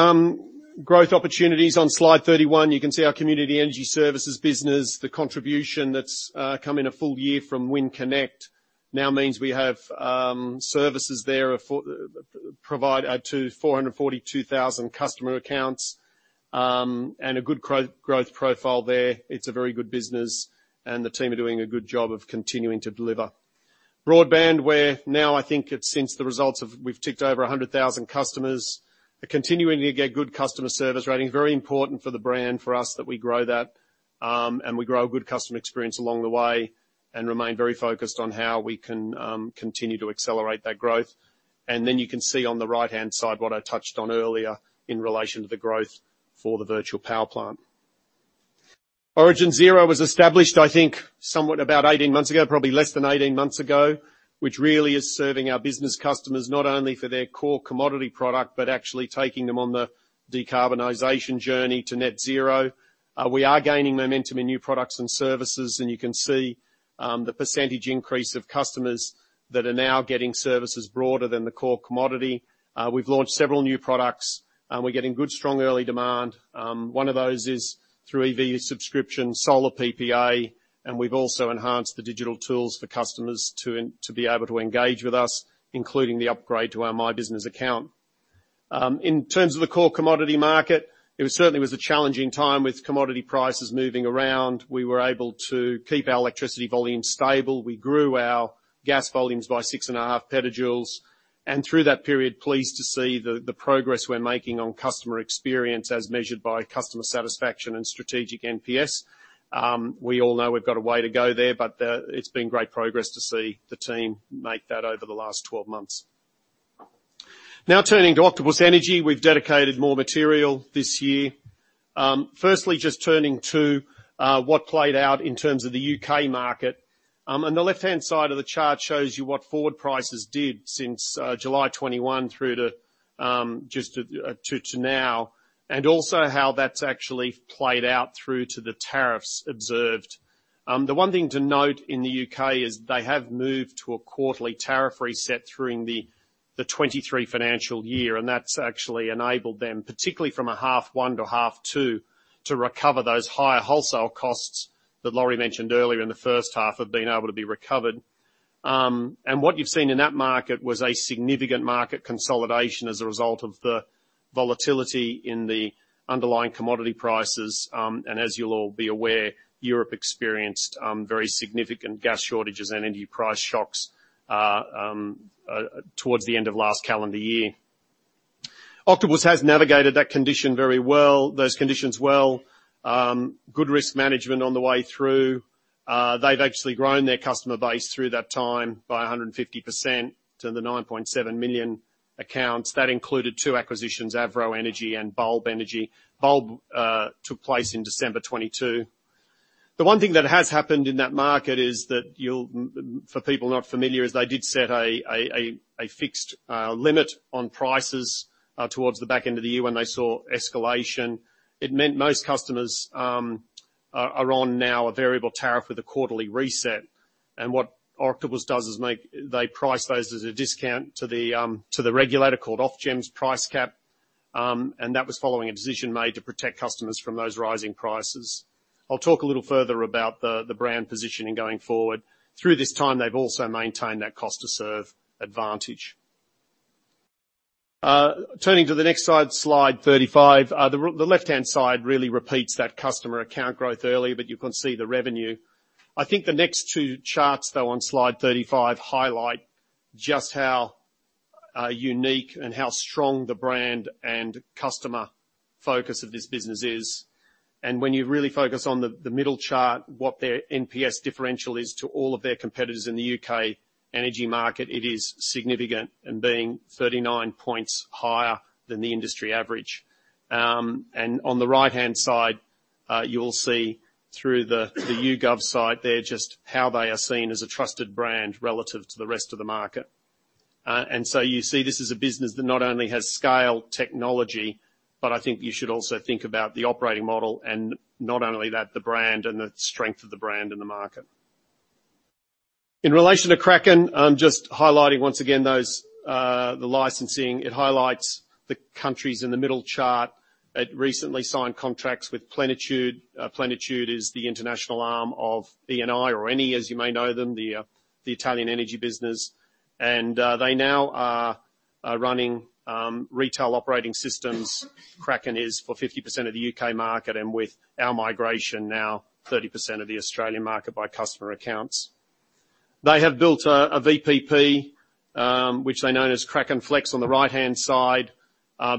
growth opportunities on slide 31. You can see our Community Energy Services business, the contribution that's come in a full year from WindConnect now means we have services there for, provide up to 442,000 customer accounts. A good CRO growth profile there. It's a very good business, and the team are doing a good job of continuing to deliver. Broadband, where now I think it's since the results of, we've ticked over 100,000 customers, are continuing to get good customer service rating. Very important for the brand, for us, that we grow that, we grow a good customer experience along the way, remain very focused on how we can continue to accelerate that growth. You can see on the right-hand side, what I touched on earlier, in relation to the growth for the virtual power plant. Origin Zero was established, I think, somewhat about 18 months ago, probably less than 18 months ago, which really is serving our business customers, not only for their core commodity product, but actually taking them on the decarbonization journey to net zero. We are gaining momentum in new products and services, you can see the percent increase of customers that are now getting services broader than the core commodity. We've launched several new products, we're getting good, strong, early demand. One of those is through EV subscription, solar PPA, and we've also enhanced the digital tools for customers to be able to engage with us, including the upgrade to our My Business Account. In terms of the core commodity market, it certainly was a challenging time with commodity prices moving around. We were able to keep our electricity volumes stable. We grew our gas volumes by 6.5 petajoules, and through that period, pleased to see the progress we're making on customer experience as measured by customer satisfaction and strategic NPS. We all know we've got a way to go there, but it's been great progress to see the team make that over the last 12 months. Turning to Octopus Energy. We've dedicated more material this year. Firstly, just turning to what played out in terms of the U.K. market. On the left-hand side of the chart shows you what forward prices did since July 2021 through to just to now, and also how that's actually played out through to the tariffs observed. The one thing to note in the U.K. is they have moved to a quarterly tariff reset through the 2023 financial year, and that's actually enabled them, particularly from a half one to half two, to recover those higher wholesale costs that Lawrie mentioned earlier in the first half, have been able to be recovered. What you've seen in that market was a significant market consolidation as a result of the volatility in the underlying commodity prices. As you'll all be aware, Europe experienced very significant gas shortages and energy price shocks towards the end of last calendar year. Octopus has navigated that condition very well, those conditions well. Good risk management on the way through. They've actually grown their customer base through that time by 150% to the 9.7 million accounts. That included two acquisitions, Avro Energy and Bulb Energy. Bulb took place in December 2022. The one thing that has happened in that market is that you'll, for people not familiar, is they did set a fixed limit on prices towards the back end of the year when they saw escalation. It meant most customers are on now a variable tariff with a quarterly reset. What Octopus does is they price those as a discount to the regulator, called Ofgem's price cap. That was following a decision made to protect customers from those rising prices. I'll talk a little further about the brand positioning going forward. Through this time, they've also maintained that cost-to-serve advantage. Turning to the next side, slide 35. The left-hand side really repeats that customer account growth earlier, but you can see the revenue. I think the next two charts, though, on slide 35, highlight just how unique and how strong the brand and customer focus of this business is. When you really focus on the middle chart, what their NPS differential is to all of their competitors in the U.K. energy market, it is significant, and being 39 points higher than the industry average. On the right-hand side, you'll see through the YouGov site there, just how they are seen as a trusted brand relative to the rest of the market. You see this as a business that not only has scale technology, but I think you should also think about the operating model, and not only that, the brand and the strength of the brand in the market. In relation to Kraken, I'm just highlighting once again, those, the licensing. It highlights the countries in the middle chart. It recently signed contracts with Plenitude. Plenitude is the international arm of Eni, or Eni, as you may know them, the Italian energy business. They now are, are running retail operating systems. Kraken is for 50% of the U.K. market. With our migration, now 30% of the Australian market by customer accounts. They have built a VPP, which they know as KrakenFlex, on the right-hand side.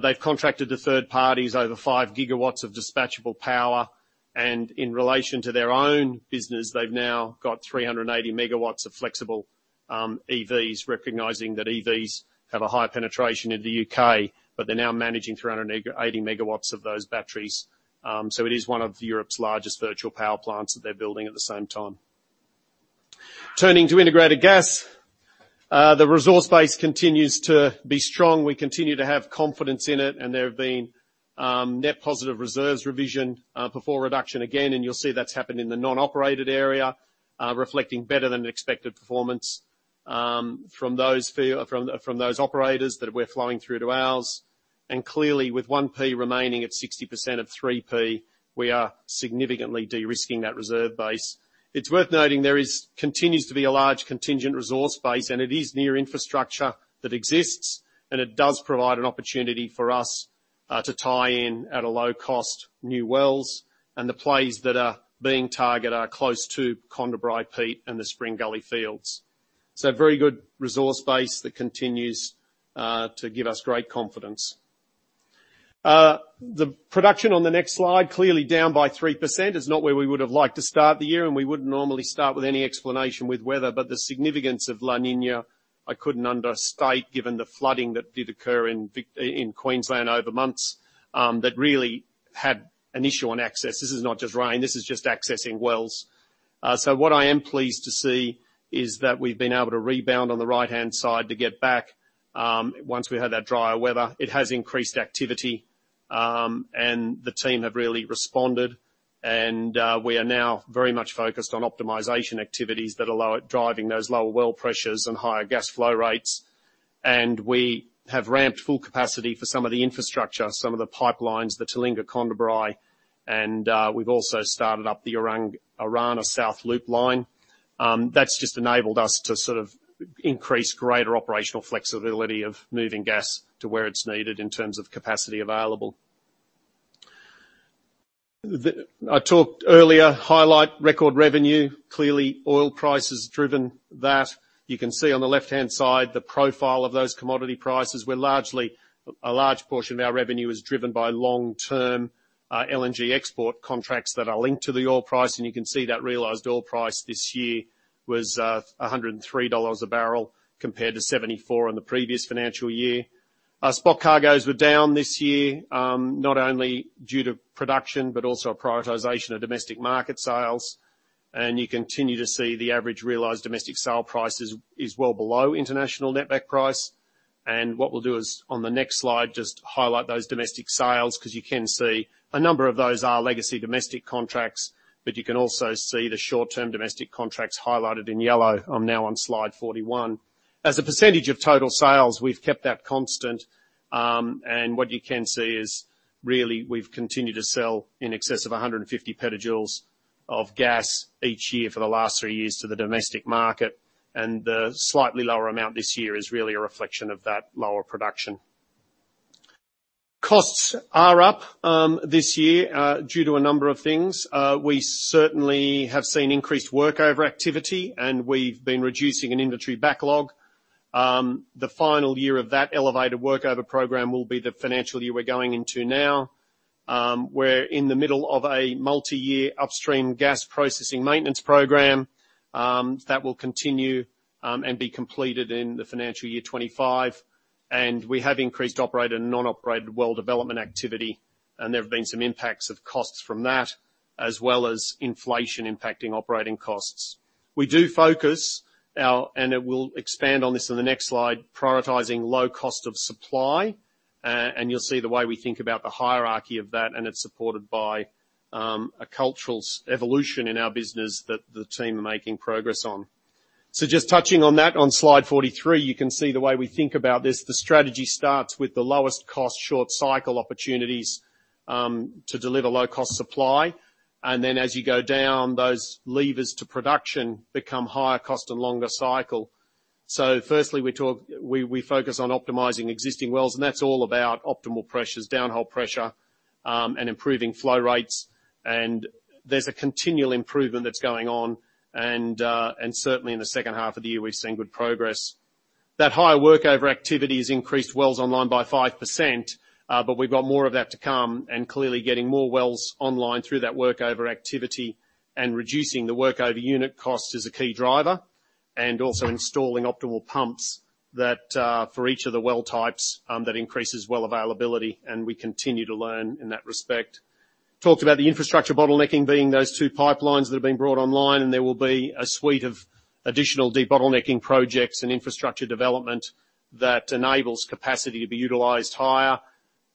They've contracted to third parties over 5 GW of dispatchable power. In relation to their own business, they've now got 380 MW of flexible EVs, recognizing that EVs have a high penetration in the U.K, but they're now managing 380 MW of those batteries. It is one of Europe's largest virtual power plants that they're building at the same time. Turning to integrated gas, the resource base continues to be strong. We continue to have confidence in it, and there have been net positive reserves revision before reduction again, and you'll see that's happened in the non-operated area, reflecting better-than-expected performance from those operators that we're flowing through to ours. Clearly, with 1P remaining at 60% of 3P, we are significantly de-risking that reserve base. It's worth noting, there is, continues to be a large contingent resource base, and it is near infrastructure that exists, and it does provide an opportunity for us to tie in, at a low cost, new wells. The plays that are being targeted are close to Condabri, Peat and the Spring Gully fields. A very good resource base that continues to give us great confidence. The production on the next slide, clearly down by 3%. It's not where we would have liked to start the year. We wouldn't normally start with any explanation with weather, the significance of La Niña, I couldn't understate, given the flooding that did occur in Queensland over months that really had an issue on access. This is not just rain, this is just accessing wells. What I am pleased to see is that we've been able to rebound on the right-hand side to get back once we had that drier weather. It has increased activity, the team have really responded. We are now very much focused on optimization activities that allow it, driving those lower well pressures and higher gas flow rates. We have ramped full capacity for some of the infrastructure, some of the pipelines, the Talinga-Condabri, and we've also started up the Orana South Loop line. That's just enabled us to sort of increase greater operational flexibility of moving gas to where it's needed in terms of capacity available. I talked earlier, highlight, record revenue. Clearly, oil price has driven that. You can see on the left-hand side, the profile of those commodity prices were largely. A large portion of our revenue is driven by long-term LNG export contracts that are linked to the oil price, and you can see that realized oil price this year was 103 dollars a barrel, compared to 74 in the previous financial year. Our spot cargoes were down this year, not only due to production, but also a prioritization of domestic market sales. You continue to see the average realized domestic sale price is, is well below international Netback Price. What we'll do is, on the next slide, just highlight those domestic sales, 'cause you can see a number of those are legacy domestic contracts, but you can also see the short-term domestic contracts highlighted in yellow. I'm now on slide 41. As a % of total sales, we've kept that constant. What you can see is really we've continued to sell in excess of 150 petajoules of gas each year for the last three years to the domestic market, and the slightly lower amount this year is really a reflection of that lower production. Costs are up this year, due to a number of things. We certainly have seen increased workover activity, and we've been reducing an inventory backlog. The final year of that elevated workover program will be the financial year we're going into now. We're in the middle of a multi-year upstream gas processing maintenance program that will continue and be completed in the financial year 25. We have increased operated and non-operated well development activity, and there have been some impacts of costs from that, as well as inflation impacting operating costs. We do focus, and it will expand on this in the next slide, prioritizing low cost of supply. You'll see the way we think about the hierarchy of that, and it's supported by a cultural evolution in our business that the team are making progress on. Just touching on that, on slide 43, you can see the way we think about this. The strategy starts with the lowest cost, short cycle opportunities to deliver low-cost supply. Then as you go down, those levers to production become higher cost and longer cycle. Firstly, we focus on optimizing existing wells, and that's all about optimal pressures, downhole pressure, and improving flow rates. There's a continual improvement that's going on. Certainly in the second half of the year, we've seen good progress. That higher workover activity has increased wells online by 5%. We've got more of that to come. Clearly, getting more wells online through that workover activity and reducing the workover unit cost is a key driver. Also installing optimal pumps that for each of the well types, that increases well availability. We continue to learn in that respect. Talked about the infrastructure bottlenecking being those two pipelines that have been brought online, and there will be a suite of additional debottlenecking projects and infrastructure development that enables capacity to be utilized higher.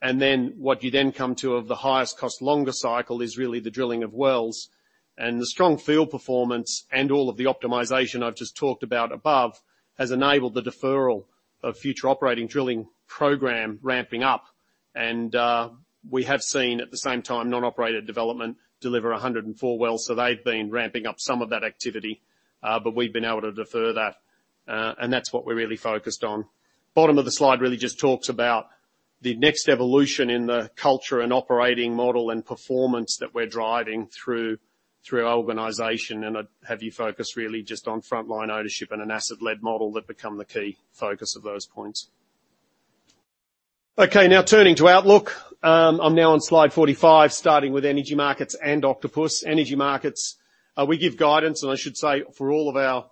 Then, what you then come to of the highest cost, longer cycle, is really the drilling of wells. The strong field performance and all of the optimization I've just talked about above, has enabled the deferral of future operating drilling program ramping up. We have seen, at the same time, non-operated development deliver 104 wells, so they've been ramping up some of that activity, but we've been able to defer that, and that's what we're really focused on. Bottom of the slide really just talks about the next evolution in the culture, operating model, and performance that we're driving through, through our organization, and I'd have you focus really just on frontline ownership and an asset-led model that become the key focus of those points. Okay, now turning to outlook. I'm now on slide 45, starting with Energy Markets and Octopus. Energy Markets, we give guidance, and I should say, for all of our,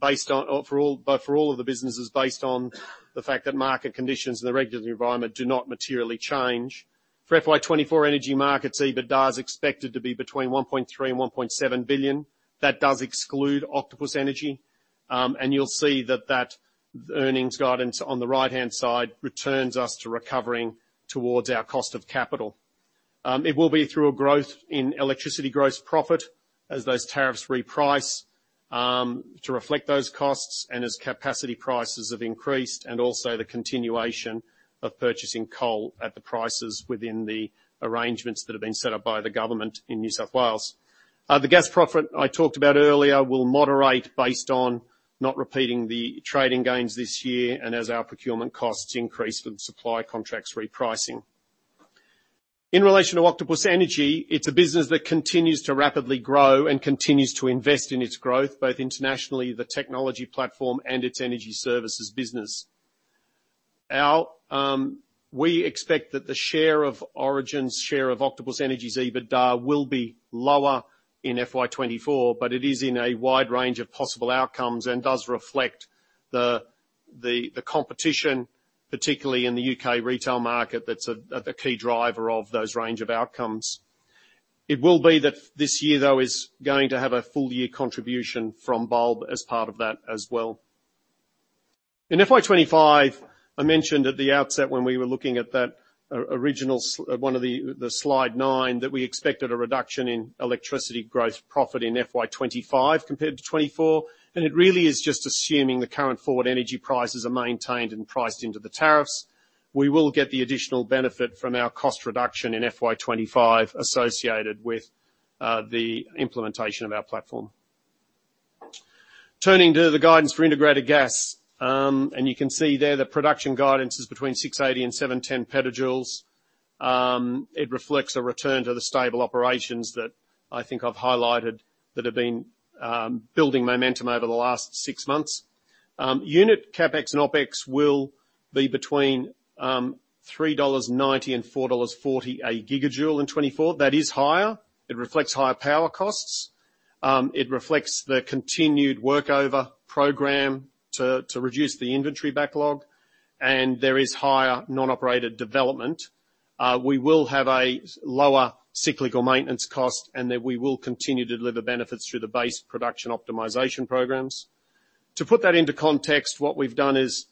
based on, or for all, but for all of the businesses, based on the fact that market conditions and the regulatory environment do not materially change. For FY 2024 Energy Markets, EBITDA is expected to be between 1.3 billion and 1.7 billion. That does exclude Octopus Energy. You'll see that, that earnings guidance on the right-hand side returns us to recovering towards our cost of capital. It will be through a growth in electricity gross profit as those tariffs reprice to reflect those costs, and as capacity prices have increased, and also the continuation of purchasing coal at the prices within the arrangements that have been set up by the government in New South Wales. The gas profit, I talked about earlier, will moderate based on not repeating the trading gains this year and as our procurement costs increase with the supply contracts repricing. In relation to Octopus Energy, it's a business that continues to rapidly grow and continues to invest in its growth, both internationally, the technology platform, and its energy services business. We expect that the share of Origin's share of Octopus Energy's EBITDA will be lower in FY 2024, but it is in a wide range of possible outcomes and does reflect the competition, particularly in the U.K. retail market, that's a key driver of those range of outcomes. It will be that this year, though, is going to have a full year contribution from Bulb as part of that as well. In FY 2025, I mentioned at the outset, when we were looking at that original one of the slide nine, that we expected a reduction in electricity growth profit in FY 2025 compared to 2024, and it really is just assuming the current forward energy prices are maintained and priced into the tariffs. We will get the additional benefit from our cost reduction in FY 2025, associated with, the implementation of our platform. Turning to the guidance for integrated gas, and you can see there, the production guidance is between 680 and 710 petajoules. It reflects a return to the stable operations that I think I've highlighted, that have been, building momentum over the last six months. Unit CapEx and OpEx will be between, 3.90 dollars and 4.40 dollars a gigajoule in 2024. That is higher. It reflects higher power costs. It reflects the continued workover program to reduce the inventory backlog, and there is higher non-operated development. We will have a lower cyclical maintenance cost, and then we will continue to deliver benefits through the base production optimization programs. To put that into context, what we've done is,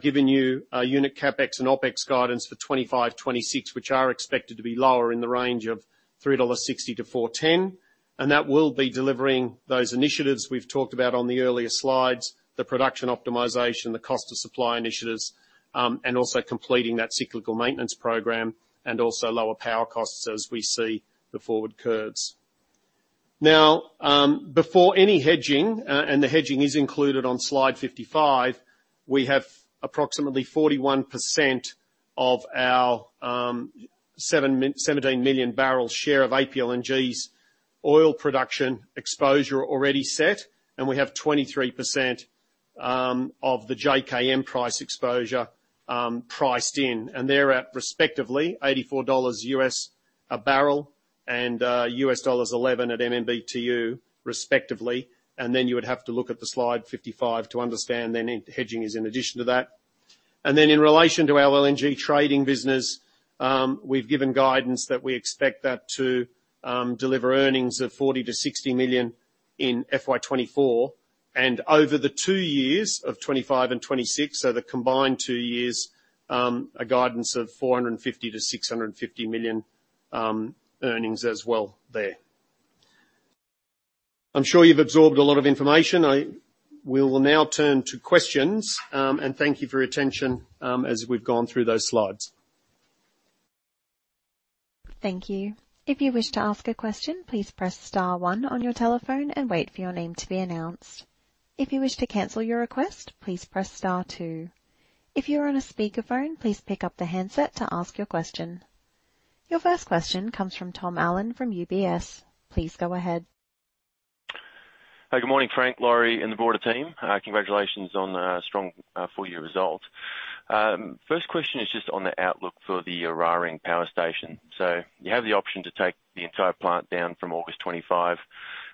given you a unit CapEx and OpEx guidance for 25, 26, which are expected to be lower in the range of 3.60-4.10 dollars, and that will be delivering those initiatives we've talked about on the earlier slides, the production optimization, the cost of supply initiatives, and also completing that cyclical maintenance program, and also lower power costs as we see the forward curves. Now, before any hedging, and the hedging is included on slide 55, we have approximately 41% of our 17 million bbl share of APLNG's oil production exposure already set, and we have 23% of the JKM price exposure priced in. They're at, respectively, $84 a barrel and $11 at MMBtu, respectively. Then you would have to look at slide 55 to understand then hedging is in addition to that. Then in relation to our LNG trading business, we've given guidance that we expect that to deliver earnings of $40 million-$60 million in FY 2024, and over the two years of 2025 and 2026, so the combined two years, a guidance of $450 million-$650 million earnings as well there. I'm sure you've absorbed a lot of information. We will now turn to questions. Thank you for your attention as we've gone through those slides. Thank you. If you wish to ask a question, please press star one on your telephone and wait for your name to be announced. If you wish to cancel your request, please press star two. If you are on a speakerphone, please pick up the handset to ask your question. Your first question comes from Tom Allen from UBS. Please go ahead. Hi, good morning, Frank, Lawrie, and the broader team. Congratulations on a strong full year result. First question is just on the outlook for the Eraring Power Station. You have the option to take the entire plant down from August 25.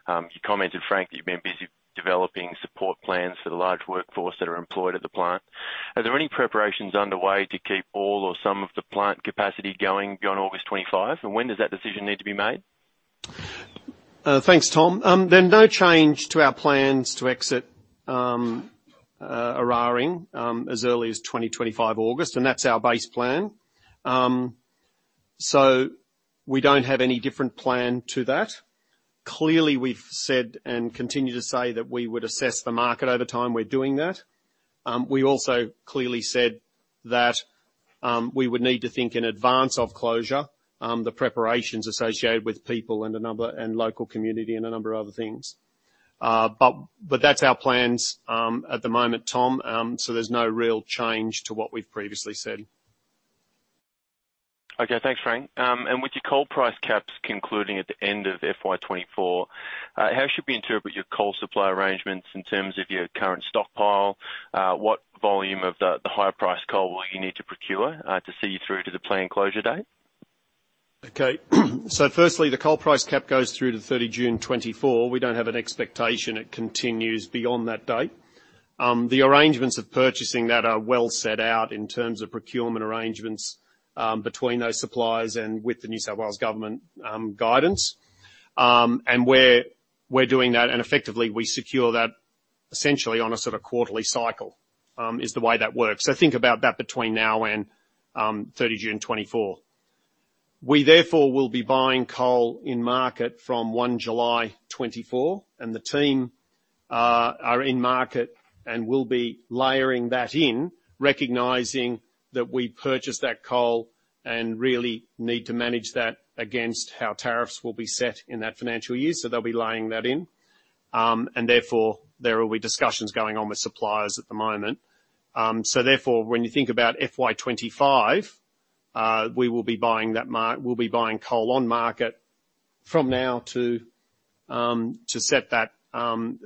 You commented, Frank, that you've been busy developing support plans for the large workforce that are employed at the plant. Are there any preparations underway to keep all or some of the plant capacity going beyond August 25, and when does that decision need to be made? Thanks, Tom. There no change to our plans to exit Eraring as early as 2025 August. That's our base plan. We don't have any different plan to that. Clearly, we've said, and continue to say, that we would assess the market over time. We're doing that. We also clearly said that we would need to think in advance of closure, the preparations associated with people and a number and local community and a number of other things. But, that's our plans at the moment, Tom. There's no real change to what we've previously said. Okay. Thanks, Frank. With your coal price caps concluding at the end of FY 2024, how should we interpret your coal supply arrangements in terms of your current stockpile? What volume of the, the higher priced coal will you need to procure to see you through to the planned closure date? Okay. Firstly, the coal price cap goes through to 30 June 2024. We don't have an expectation it continues beyond that date. The arrangements of purchasing that are well set out in terms of procurement arrangements between those suppliers and with the New South Wales government guidance. We're, we're doing that, and effectively, we secure that essentially on a sort of quarterly cycle is the way that works. Think about that between now and 30 June 2024. We therefore will be buying coal in market from 1 July 2024, and the team are in market and will be layering that in, recognizing that we purchased that coal and really need to manage that against how tariffs will be set in that financial year. They'll be laying that in. Therefore, there will be discussions going on with suppliers at the moment. Therefore, when you think about FY 2025, we will be buying that market We'll be buying coal on market from now to set that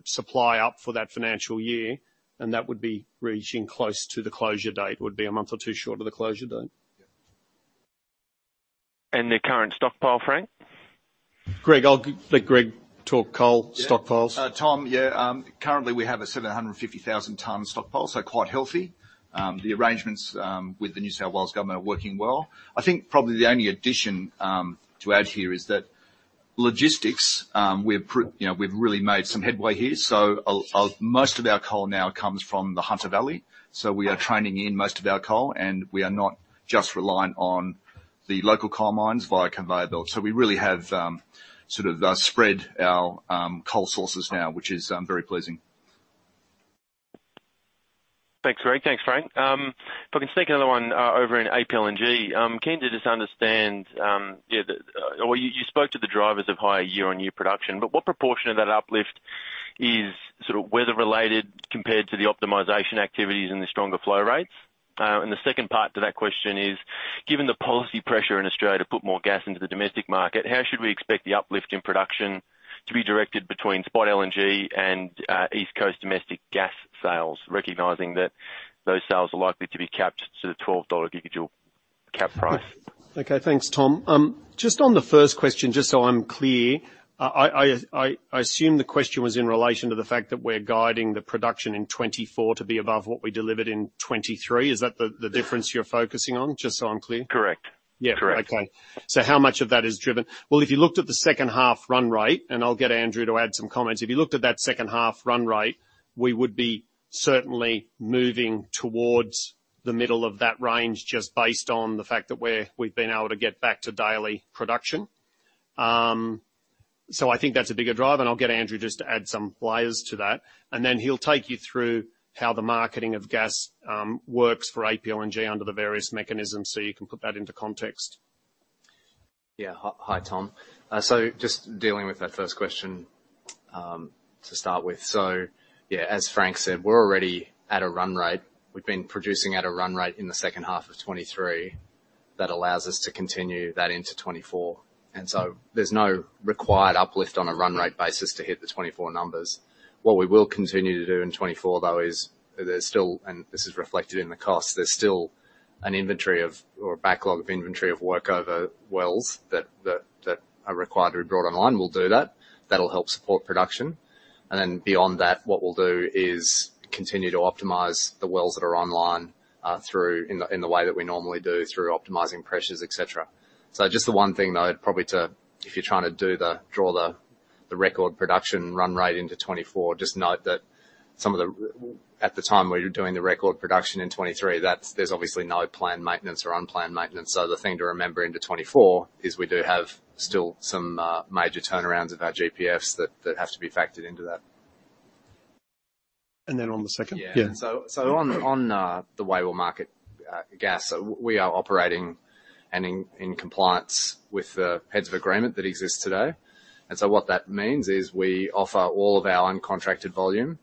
supply up for that financial year, and that would be reaching close to the closure date, would be a month or two short of the closure date. The current stockpile, Frank? Greg, I'll let Greg talk coal stockpiles. Tom, yeah. Currently we have a 750,000 ton stockpile, so quite healthy. The arrangements with the New South Wales government are working well. I think probably the only addition to add here is that logistics, we've you know, we've really made some headway here, so most of our coal now comes from the Hunter Valley, so we are training in most of our coal, and we are not just reliant on the local coal mines via conveyor belt. We really have, sort of, spread our coal sources now, which is very pleasing. Thanks, Greg. Thanks, Frank. If I can sneak another one over in APLNG, keen to just understand, you spoke to the drivers of higher year-on-year production, but what proportion of that uplift is sort of weather-related compared to the optimization activities and the stronger flow rates? The second part to that question is: given the policy pressure in Australia to put more gas into the domestic market, how should we expect the uplift in production to be directed between spot LNG and East Coast domestic gas sales? Recognizing that those sales are likely to be capped to the $12 gigajoule cap price. Okay, thanks, Tom. Just on the first question, just so I'm clear, I assume the question was in relation to the fact that we're guiding the production in 2024 to be above what we delivered in 2023. Is that the, the difference you're focusing on? Just so I'm clear. Correct. Yeah. Correct. Okay. How much of that is driven? If you looked at the second half run rate, and I'll get Andrew to add some comments. If you looked at that second half run rate, we would be certainly moving towards the middle of that range, just based on the fact that we've been able to get back to daily production. I think that's a bigger drive, and I'll get Andrew just to add some layers to that, and then he'll take you through how the marketing of gas works for APLNG under the various mechanisms, so you can put that into context. Yeah. Hi, Tom. Just dealing with that first question to start with. Yeah, as Frank said, we're already at a run rate. We've been producing at a run rate in the second half of 2023 that allows us to continue that into 2024. There's no required uplift on a run rate basis to hit the 2024 numbers. What we will continue to do in 2024, though, is there's still, and this is reflected in the cost, there's still an inventory of or a backlog of inventory of work over wells that are required to be brought online. We'll do that. That'll help support production. Beyond that, what we'll do is continue to optimize the wells that are online through the way that we normally do through optimizing pressures, et cetera. Just the one thing, though, probably to if you're trying to draw the record production run rate into 2024, just note that some of the at the time, we were doing the record production in 2023, that's, there's obviously no planned maintenance or unplanned maintenance. The thing to remember into 2024 is we do have still some major turnarounds of our GPFs that have to be factored into that. On the second? Yeah. Yeah. On, on the way we'll market gas, we are operating and in, in compliance with the heads of agreement that exists today. What that means is we offer all of our uncontracted volume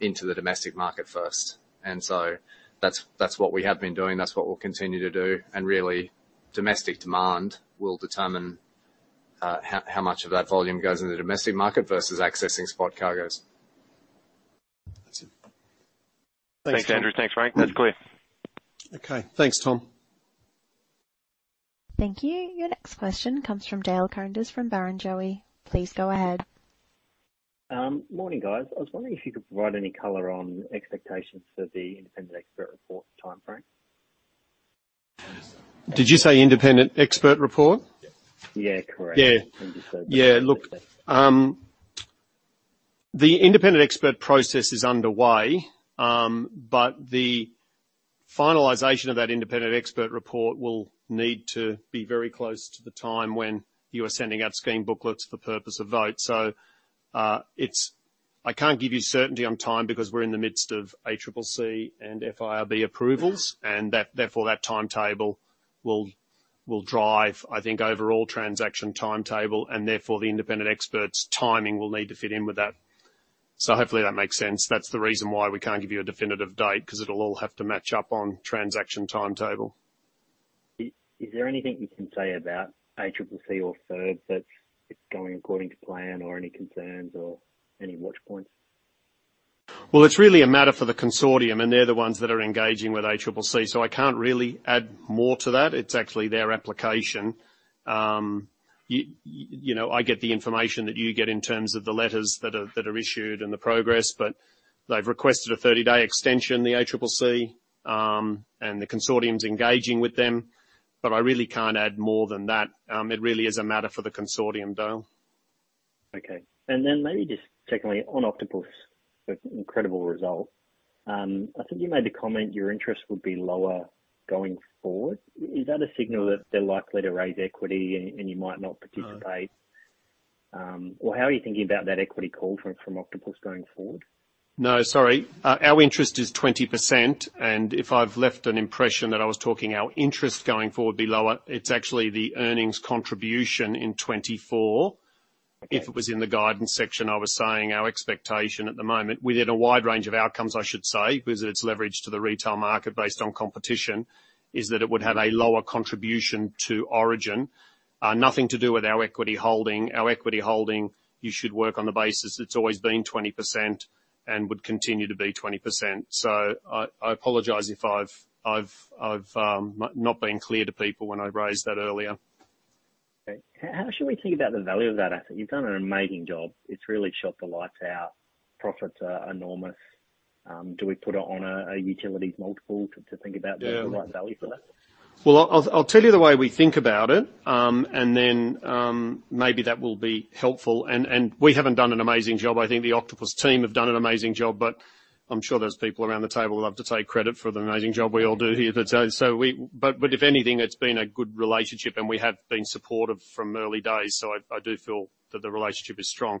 into the domestic market first. That's, that's what we have been doing, that's what we'll continue to do, and really, domestic demand will determine how, how much of that volume goes in the domestic market versus accessing spot cargoes. That's it. Thanks, Andrew. Thanks, Frank. That's clear. Okay. Thanks, Tom. Thank you. Your next question comes from Dale Koenders from Barrenjoey. Please go ahead. Morning, guys. I was wondering if you could provide any color on expectations for the independent expert report timeframe? Did you say independent expert report? Yeah, correct. Yeah. Independent- Yeah. Look, the independent expert process is underway. The finalization of that independent expert report will need to be very close to the time when you are sending out scheme booklets for purpose of vote. I can't give you certainty on time because we're in the midst of ACCC and FIRB approvals, and that, therefore, that timetable will drive, I think, overall transaction timetable, and therefore, the independent expert's timing will need to fit in with that. Hopefully that makes sense. That's the reason why we can't give you a definitive date, 'cause it'll all have to match up on transaction timetable. Is there anything you can say about ACCC or FIRB that's, it's going according to plan or any concerns or any watch points? Well, it's really a matter for the consortium, and they're the ones that are engaging with ACCC. I can't really add more to that. It's actually their application. You know, I get the information that you get in terms of the letters that are, that are issued and the progress. They've requested a 30-day extension, the ACCC, and the consortium's engaging with them. I really can't add more than that. It really is a matter for the consortium, though. Okay, then maybe just secondly, on Octopus, incredible result. I think you made the comment your interest would be lower going forward. Is that a signal that they're likely to raise equity and you might not participate? No. Well, how are you thinking about that equity call from Octopus going forward? No, sorry. Our interest is 20%, and if I've left an impression that I was talking our interest going forward be lower, it's actually the earnings contribution in 2024. Okay. If it was in the guidance section, I was saying our expectation at the moment, within a wide range of outcomes, I should say, because it's leveraged to the retail market based on competition, is that it would have a lower contribution to Origin. Nothing to do with our equity holding. Our equity holding, you should work on the basis it's always been 20% and would continue to be 20%. I, I apologize if I've, I've, I've not been clear to people when I raised that earlier. Okay. How should we think about the value of that asset? You've done an amazing job. It's really shot the lights out. Profits are enormous. Do we put it on a utilities multiple to think about...? Yeah... the right value for that? Well, I'll, I'll tell you the way we think about it, and then maybe that will be helpful. We haven't done an amazing job. I think the Octopus team have done an amazing job, but I'm sure there's people around the table who love to take credit for the amazing job we all do here. If anything, it's been a good relationship, and we have been supportive from early days, so I, I do feel that the relationship is strong.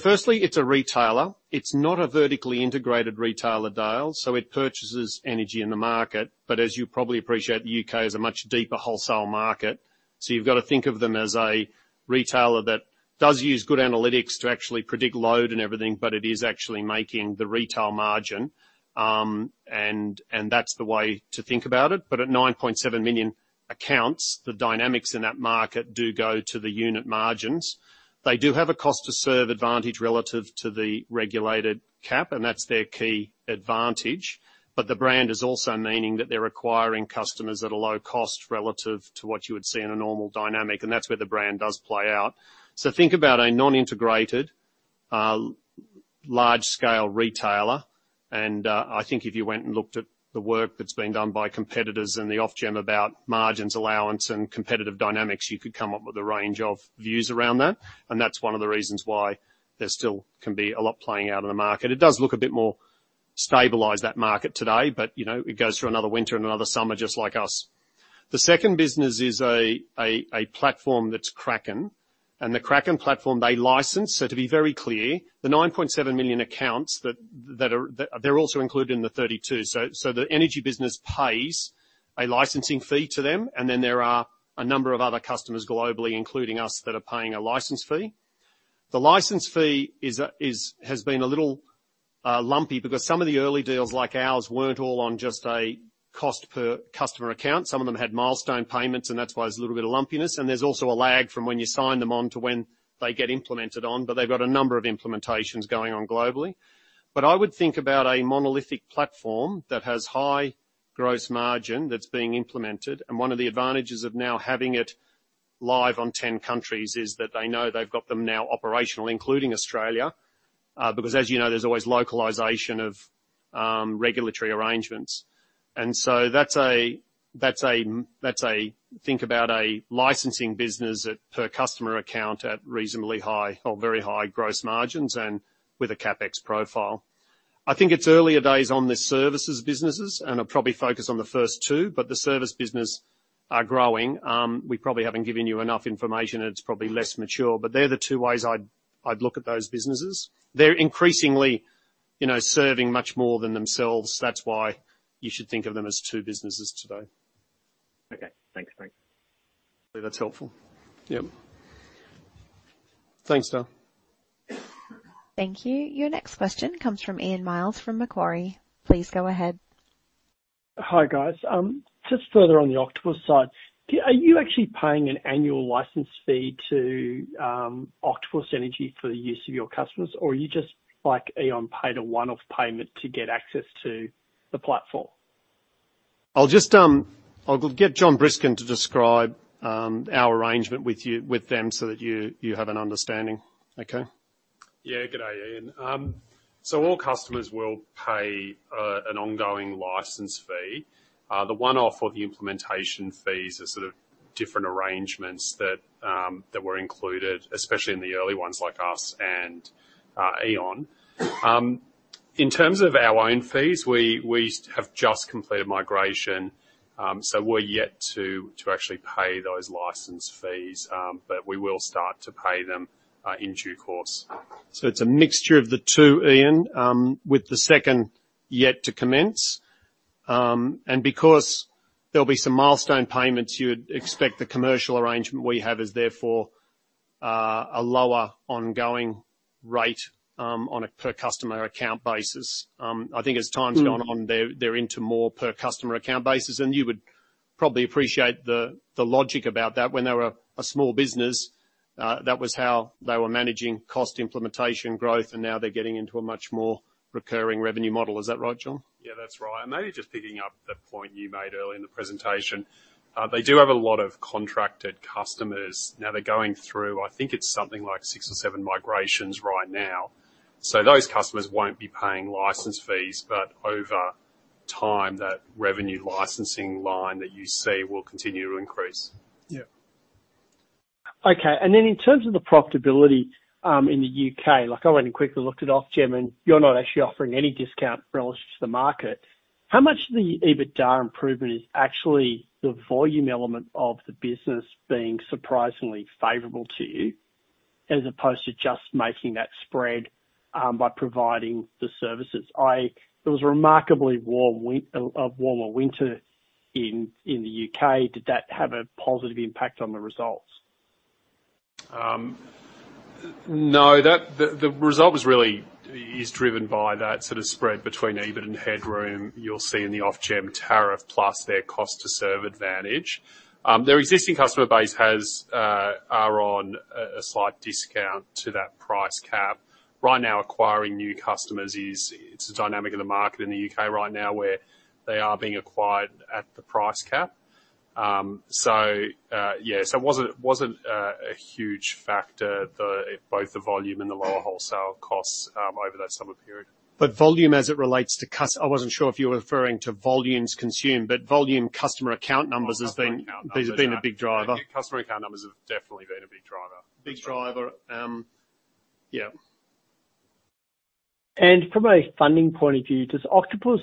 Firstly, it's a retailer. It's not a vertically integrated retailer, Dale, so it purchases energy in the market. As you probably appreciate, the U.K. is a much deeper wholesale market, so you've got to think of them as a retailer that-... does use good analytics to actually predict load and everything, but it is actually making the retail margin, and, and that's the way to think about it. At 9.7 million accounts, the dynamics in that market do go to the unit margins. They do have a cost to serve advantage relative to the regulated cap, and that's their key advantage. The brand is also meaning that they're acquiring customers at a low cost relative to what you would see in a normal dynamic, and that's where the brand does play out. Think about a non-integrated, large-scale retailer, and, I think if you went and looked at the work that's been done by competitors and the Ofgem about margins, allowance, and competitive dynamics, you could come up with a range of views around that. That's one of the reasons why there still can be a lot playing out in the market. It does look a bit more stabilized, that market today, but, you know, it goes through another winter and another summer, just like us. The second business is a platform that's Kraken, and the Kraken platform, they license. To be very clear, the 9.7 million accounts that are. They're also included in the 32. The energy business pays a licensing fee to them, and then there are a number of other customers globally, including us, that are paying a license fee. The license fee is, is, has been a little lumpy, because some of the early deals, like ours, weren't all on just a cost per customer account. Some of them had milestone payments. That's why there's a little bit of lumpiness. There's also a lag from when you sign them on to when they get implemented on. They've got a number of implementations going on globally. I would think about a monolithic platform that has high gross margin that's being implemented. One of the advantages of now having it live on 10 countries is that they know they've got them now operational, including Australia. Because as you know, there's always localization of regulatory arrangements. So that's a think about a licensing business at per customer account at reasonably high or very high gross margins and with a CapEx profile. I think it's earlier days on the services businesses. I'll probably focus on the first two. The service business are growing. We probably haven't given you enough information, and it's probably less mature, but they're the two ways I'd, I'd look at those businesses. They're increasingly, you know, serving much more than themselves. That's why you should think of them as two businesses today. Okay, thanks, Frank. That's helpful. Yep. Thanks, Dan. Thank you. Your next question comes from Ian Myles, from Macquarie. Please go ahead. Hi, guys. Just further on the Octopus side, are you actually paying an annual license fee to Octopus Energy for the use of your customers, or are you just, like E.ON, paid a one-off payment to get access to the platform? I'll just I'll get Jon Briskin to describe our arrangement with you, with them, so that you, you have an understanding. Okay? Yeah. Good day, Ian. All customers will pay an ongoing license fee. The one-off or the implementation fees are sort of different arrangements that were included, especially in the early ones, like us and E.ON. In terms of our own fees, we, we have just completed migration, so we're yet to, to actually pay those license fees, but we will start to pay them in due course. It's a mixture of the two, Ian, with the second yet to commence. Because there'll be some milestone payments, you'd expect the commercial arrangement we have is therefore a lower ongoing rate on a per customer account basis. I think as time's. Mm. -gone on, they're into more per customer account basis, and you would probably appreciate the logic about that. When they were a small business, that was how they were managing cost implementation growth, and now they're getting into a much more recurring revenue model. Is that right, Jon? Yeah, that's right. Maybe just picking up the point you made earlier in the presentation. They do have a lot of contracted customers. Now, they're going through, I think it's something like six or seven migrations right now. Those customers won't be paying license fees, but over time, that revenue licensing line that you see will continue to increase. Yeah. Okay, then in terms of the profitability, in the U.K., I went and quickly looked at Ofgem, and you're not actually offering any discount relative to the market. How much of the EBITDA improvement is actually the volume element of the business being surprisingly favorable to you, as opposed to just making that spread by providing the services? It was a warmer winter in the U.K. Did that have a positive impact on the results? No, that. The, the result was really, is driven by that sort of spread between EBIT and headroom you'll see in the Ofgem tariff, plus their cost to serve advantage. Their existing customer base has, are on a, a slight discount to that price cap. Right now, acquiring new customers is, it's the dynamic of the market in the U.K. right now, where they are being acquired at the price cap. Yeah, so it wasn't, wasn't, a huge factor, the, both the volume and the lower wholesale costs, over that summer period. volume, as it relates to I wasn't sure if you were referring to volumes consumed, but volume customer account numbers has been- Customer account numbers. has been a big driver. Customer account numbers have definitely been a big driver. Big driver, yeah. From a funding point of view, does Octopus,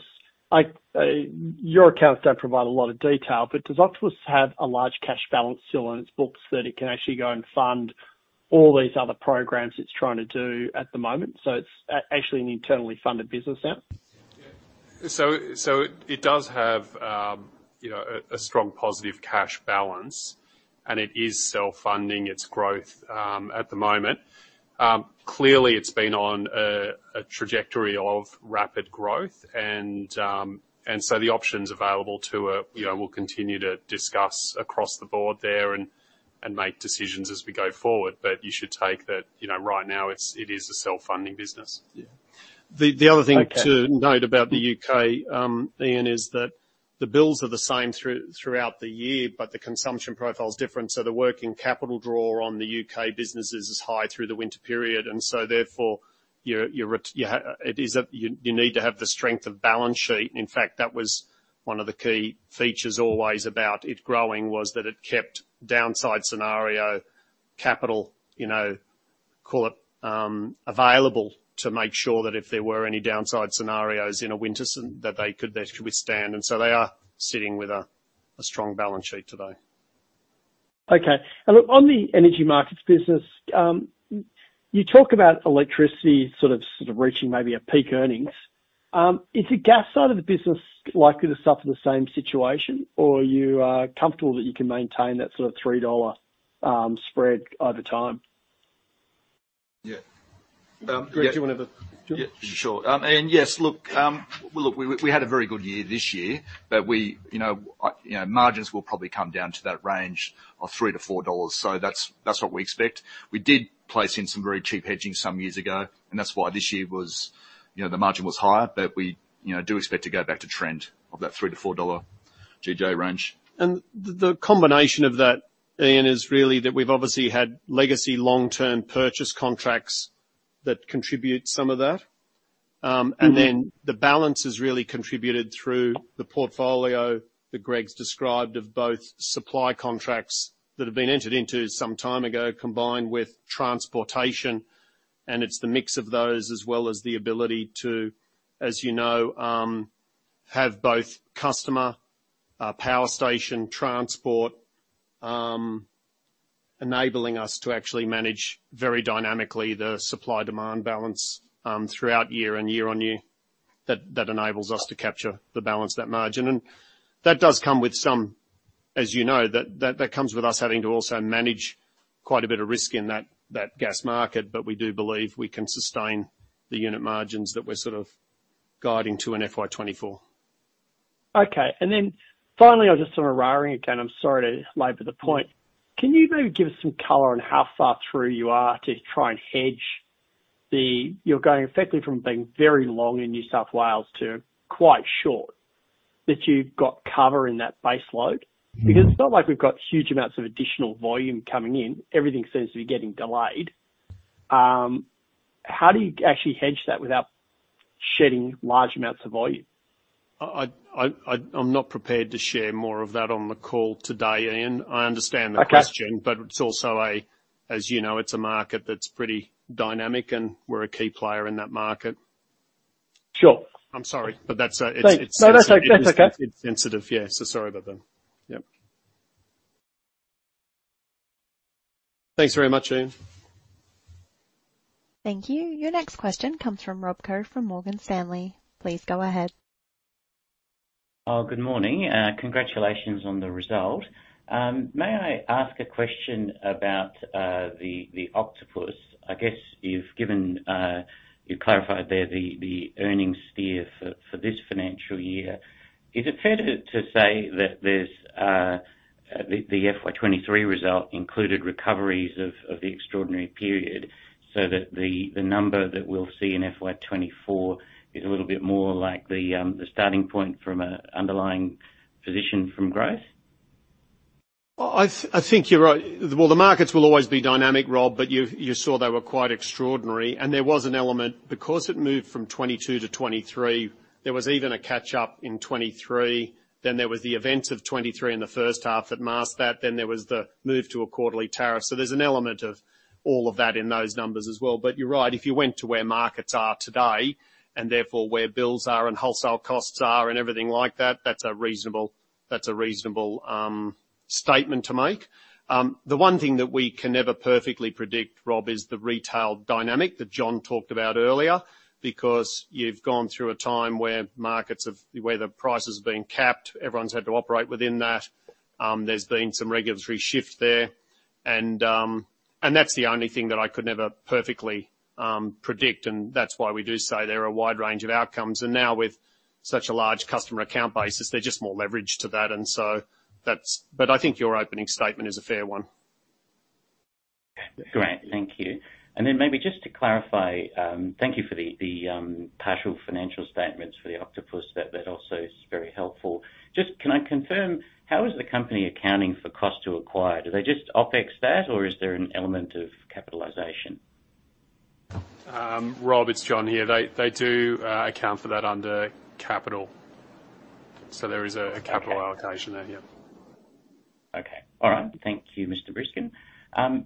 like, Your accounts don't provide a lot of detail, but does Octopus have a large cash balance still on its books that it can actually go and fund all these other programs it's trying to do at the moment, so it's actually an internally funded business now?... so it does have, you know, a, a strong positive cash balance, and it is self-funding its growth, at the moment. Clearly, it's been on a, a trajectory of rapid growth, and, and so the options available to, you know, we'll continue to discuss across the board there and, and make decisions as we go forward. You should take that, you know, right now, it's, it is a self-funding business. Yeah. The other thing- Okay. to note about the U.K., Ian, is that the bills are the same throughout the year, but the consumption profile is different, so the working capital draw on the U.K. businesses is high through the winter period. Therefore, you're, you need to have the strength of balance sheet. In fact, that was one of the key features always about it growing, was that it kept downside scenario capital, you know, call it, available to make sure that if there were any downside scenarios in a winter, so that they could, they could withstand. They are sitting with a strong balance sheet today. Okay. Look, on the energy markets business, you talk about electricity sort of reaching maybe a peak earnings. Is the gas side of the business likely to suffer the same situation, or you are comfortable that you can maintain that sort of 3 dollar spread over time? Yeah. Greg- Do you want to...? Yeah, sure. Yes, look, well, look, we, we had a very good year this year, but we, you know, I, you know, margins will probably come down to that range of 3-4 dollars, so that's, that's what we expect. We did place in some very cheap hedging some years ago, and that's why this year was, you know, the margin was higher. We, you know, do expect to go back to trend of that 3-4 dollar GJ range. The, the combination of that, Ian, is really that we've obviously had legacy long-term purchase contracts that contribute some of that. Mm-hmm. Then the balance is really contributed through the portfolio that Greg's described, of both supply contracts that have been entered into some time ago, combined with transportation, and it's the mix of those as well as the ability to, as you know, have both customer, power station, transport, enabling us to actually manage very dynamically the supply-demand balance throughout year, and year-on-year, that enables us to capture the balance, that margin. That does come with some. As you know, that comes with us having to also manage quite a bit of risk in that gas market, but we do believe we can sustain the unit margins that we're sort of guiding to in FY 2024. Okay. Finally, I just on Eraring again, I'm sorry to labor the point. Can you maybe give us some color on how far through you are to try and hedge You're going effectively from being very long in New South Wales to quite short, that you've got cover in that base load? Mm-hmm. It's not like we've got huge amounts of additional volume coming in. Everything seems to be getting delayed. How do you actually hedge that without shedding large amounts of volume? I'm not prepared to share more of that on the call today, Ian. Okay. I understand the question, but it's also a, as you know, it's a market that's pretty dynamic, and we're a key player in that market. Sure. I'm sorry, but that's, it's, it's. No, that's okay. That's okay. it's sensitive. Yeah, so sorry about that. Yep. Thanks very much, Ian. Thank you. Your next question comes from Rob Koh, from Morgan Stanley. Please go ahead. Oh, good morning. Congratulations on the result. May I ask a question about, the, the Octopus? I guess you've given, you've clarified there the, the earnings steer for, for this financial year. Is it fair to, to say that there's, the, the FY 2023 result included recoveries of, of the extraordinary period, so that the, the number that we'll see in FY 2024 is a little bit more like the, the starting point from a underlying position from growth? I think you're right. The markets will always be dynamic, Rob, but you, you saw they were quite extraordinary, and there was an element, because it moved from 2022-2023, there was even a catch up in 2023. There was the events of 2023 in the first half that masked that. There was the move to a quarterly tariff. There's an element of all of that in those numbers as well. You're right, if you went to where markets are today, and therefore where bills are, and wholesale costs are, and everything like that, that's a reasonable, that's a reasonable statement to make. The one thing that we can never perfectly predict, Rob, is the retail dynamic that Jon talked about earlier, because you've gone through a time where markets have, where the price has been capped. Everyone's had to operate within that. There's been some regulatory shift there, and that's the only thing that I could never perfectly predict, and that's why we do say there are a wide range of outcomes. Now, with such a large customer account basis, there's just more leverage to that, and so that's-- I think your opening statement is a fair one. Great, thank you. Then maybe just to clarify, thank you for the, the, partial financial statements for the Octopus. That also is very helpful. Just, can I confirm, how is the company accounting for cost to acquire? Do they just OpEx that, or is there an element of capitalization? Rob, it's Jon here. They do account for that under capital. There is a capital. Okay. allocation there, yeah. Okay. All right, thank you, Mr. Briskin.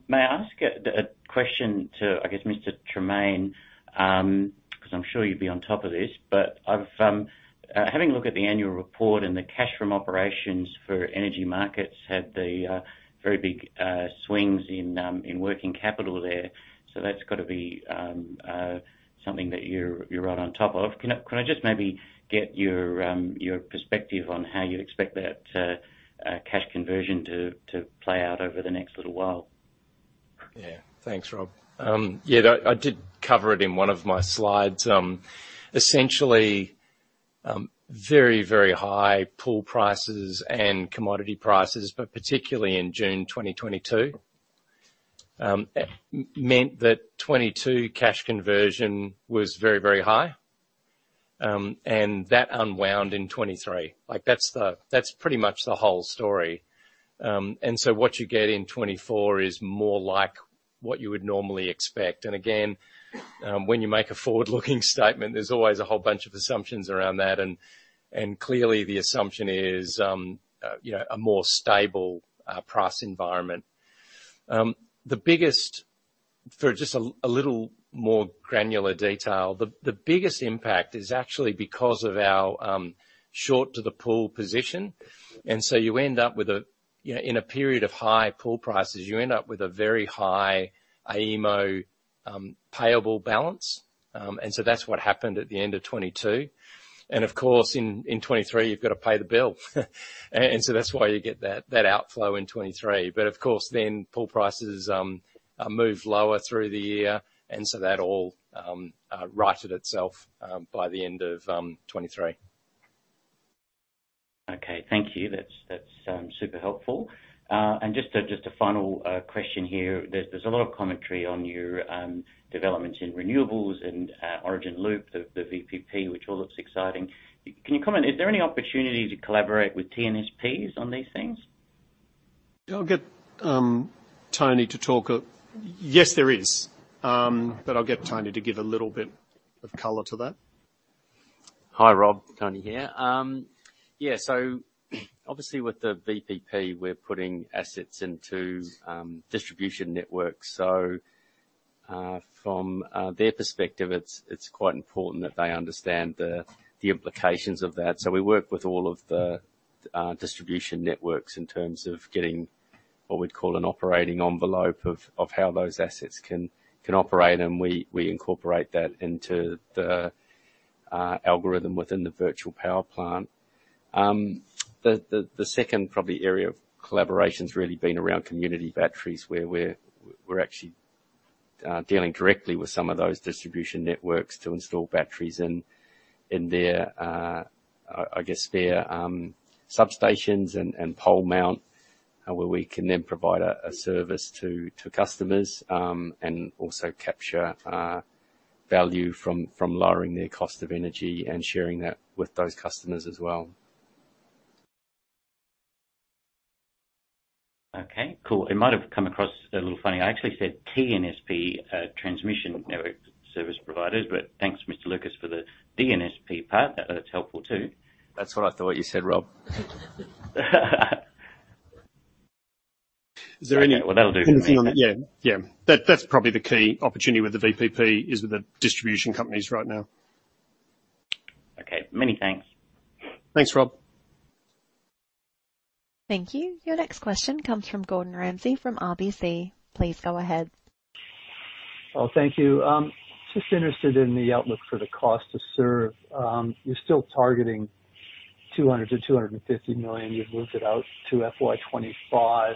May I ask a question to, I guess, Mr. Tremaine? 'Cause I'm sure you'd be on top of this, but I've having a look at the annual report and the cash from operations for energy markets, had the very big swings in working capital there. That's gotta be something that you're, you're right on top of. Can I, can I just maybe get your perspective on how you'd expect that cash conversion to play out over the next little while? Yeah, thanks, Rob. That, I did cover it in one of my slides. Essentially, very, very high pool prices and commodity prices, particularly in June 2022. Meant that 2022 cash conversion was very, very high, that unwound in 2023. Like, that's the, that's pretty much the whole story. What you get in 2024 is more like what you would normally expect. Again, when you make a forward-looking statement, there's always a whole bunch of assumptions around that, clearly the assumption is, you know, a more stable price environment. The biggest, for just a little more granular detail, the biggest impact is actually because of our short to the pool position. You end up with a, you know, in a period of high pool prices, you end up with a very high AEMO payable balance. That's what happened at the end of 2022. Of course, in 2023, you've got to pay the bill. That's why you get that, that outflow in 2023. Of course, then pool prices moved lower through the year, and so that all righted itself by the end of 2023. Okay, thank you. That's, that's, super helpful. Just a, just a final, question here. There's, there's a lot of commentary on your, developments in renewables and, Origin Loop, the VPP, which all looks exciting. Can you comment, is there any opportunity to collaborate with TNSPs on these things? I'll get Tony to talk a... Yes, there is. I'll get Tony to give a little bit of color to that. Hi, Rob. Tony here. Yeah, obviously, with the VPP, we're putting assets into distribution networks. From their perspective, it's quite important that they understand the implications of that. We work with all of the distribution networks in terms of getting what we'd call an operating envelope of how those assets can operate, and we incorporate that into the algorithm within the virtual power plant. The, the, the second probably area of collaboration has really been around community batteries, where we're, we're actually dealing directly with some of those distribution networks to install batteries in, in their, I, I guess, their, substations and, and pole mount, where we can then provide a, a service to, to customers, and also capture value from, from lowering their cost of energy and sharing that with those customers as well. Okay, cool. It might have come across a little funny. I actually said TNSP, Transmission Network Service Providers, but thanks, Tony Lucas, for the DNSP part. That's helpful, too. That's what I thought you said, Rob. Is there any- Well, that'll do me. Anything on that? Yeah. Yeah, that's probably the key opportunity with the VPP, is with the distribution companies right now. Okay, many thanks. Thanks, Rob. Thank you. Your next question comes from Gordon Ramsay, from RBC. Please go ahead. Oh, thank you. Just interested in the outlook for the cost to serve. You're still targeting 200 million-250 million. You've moved it out to FY 2025.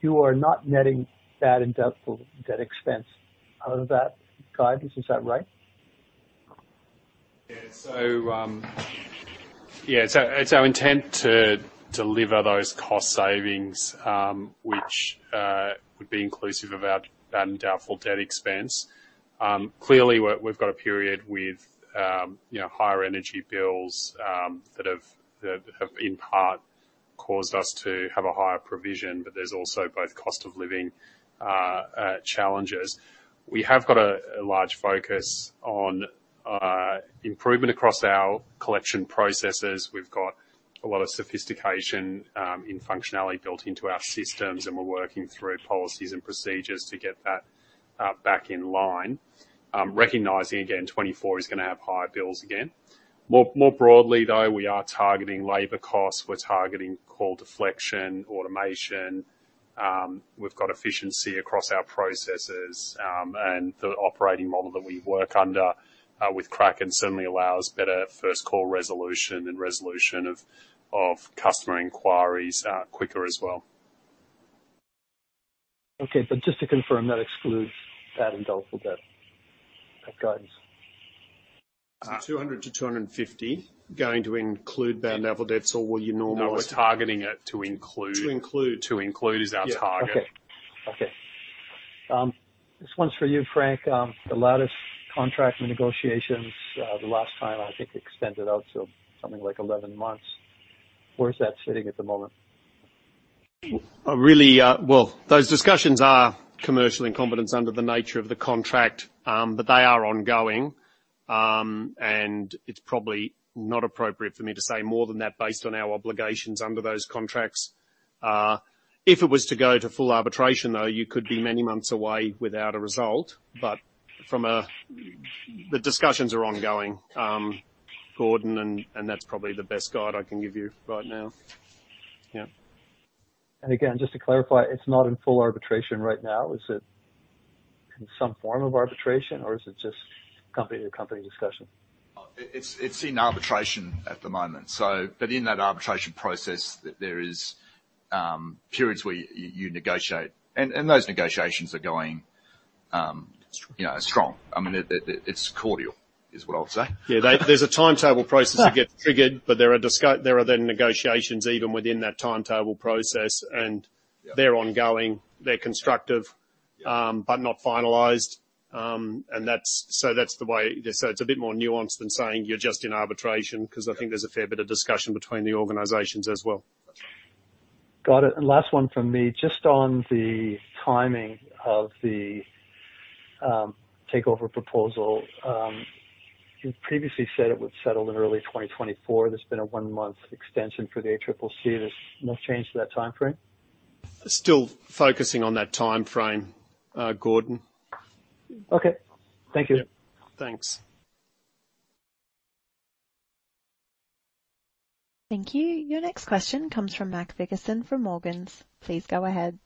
You are not netting that in-debt, debt expense out of that guidance, is that right? It's our intent to deliver those cost savings, which would be inclusive of our bad and doubtful debt expense. Clearly, we've got a period with, you know, higher energy bills that have, in part, caused us to have a higher provision, but there's also both cost of living challenges. We have got a large focus on improvement across our collection processes. We've got a lot of sophistication in functionality built into our systems, and we're working through policies and procedures to get that back in line. Recognizing, again, 2024 is gonna have higher bills again. More broadly, though, we are targeting labor costs, we're targeting call deflection, automation. We've got efficiency across our processes, and the operating model that we work under, with Kraken certainly allows better first call resolution and resolution of, of customer inquiries, quicker as well. Okay, just to confirm, that excludes bad and doubtful debt, that guidance? Is the 200-250 going to include bad doubtful debts, or will you normalize- No, we're targeting it to include- To include. To include is our target. Yeah. Okay. Okay. This one's for you, Frank. The Lattice contract negotiations, the last time, I think, extended out to something like 11 months. Where is that sitting at the moment? Really, well, those discussions are commercial in confidence under the nature of the contract, but they are ongoing. It's probably not appropriate for me to say more than that based on our obligations under those contracts. If it was to go to full arbitration, though, you could be many months away without a result. The discussions are ongoing, Gordon, and that's probably the best guide I can give you right now. Yeah. Again, just to clarify, it's not in full arbitration right now, is it? In some form of arbitration, or is it just company to company discussion? It, it's, it's in arbitration at the moment. In that arbitration process, there is periods where you, you negotiate, and those negotiations are going, you know, strong. I mean, it, it, it's cordial, is what I would say. There's a timetable process to get triggered, but there are negotiations even within that timetable process. Yeah. They're ongoing. They're constructive, but not finalized. So that's the way... So it's a bit more nuanced than saying you're just in arbitration, because I think there's a fair bit of discussion between the organizations as well. Got it. Last one from me. Just on the timing of the takeover proposal. You previously said it would settle in early 2024. There's been a one-month extension for the ACCC. There's no change to that timeframe? Still focusing on that timeframe, Gordon. Okay, thank you. Yeah. Thanks. Thank you. Your next question comes from Max Vickerson from Morgans. Please go ahead.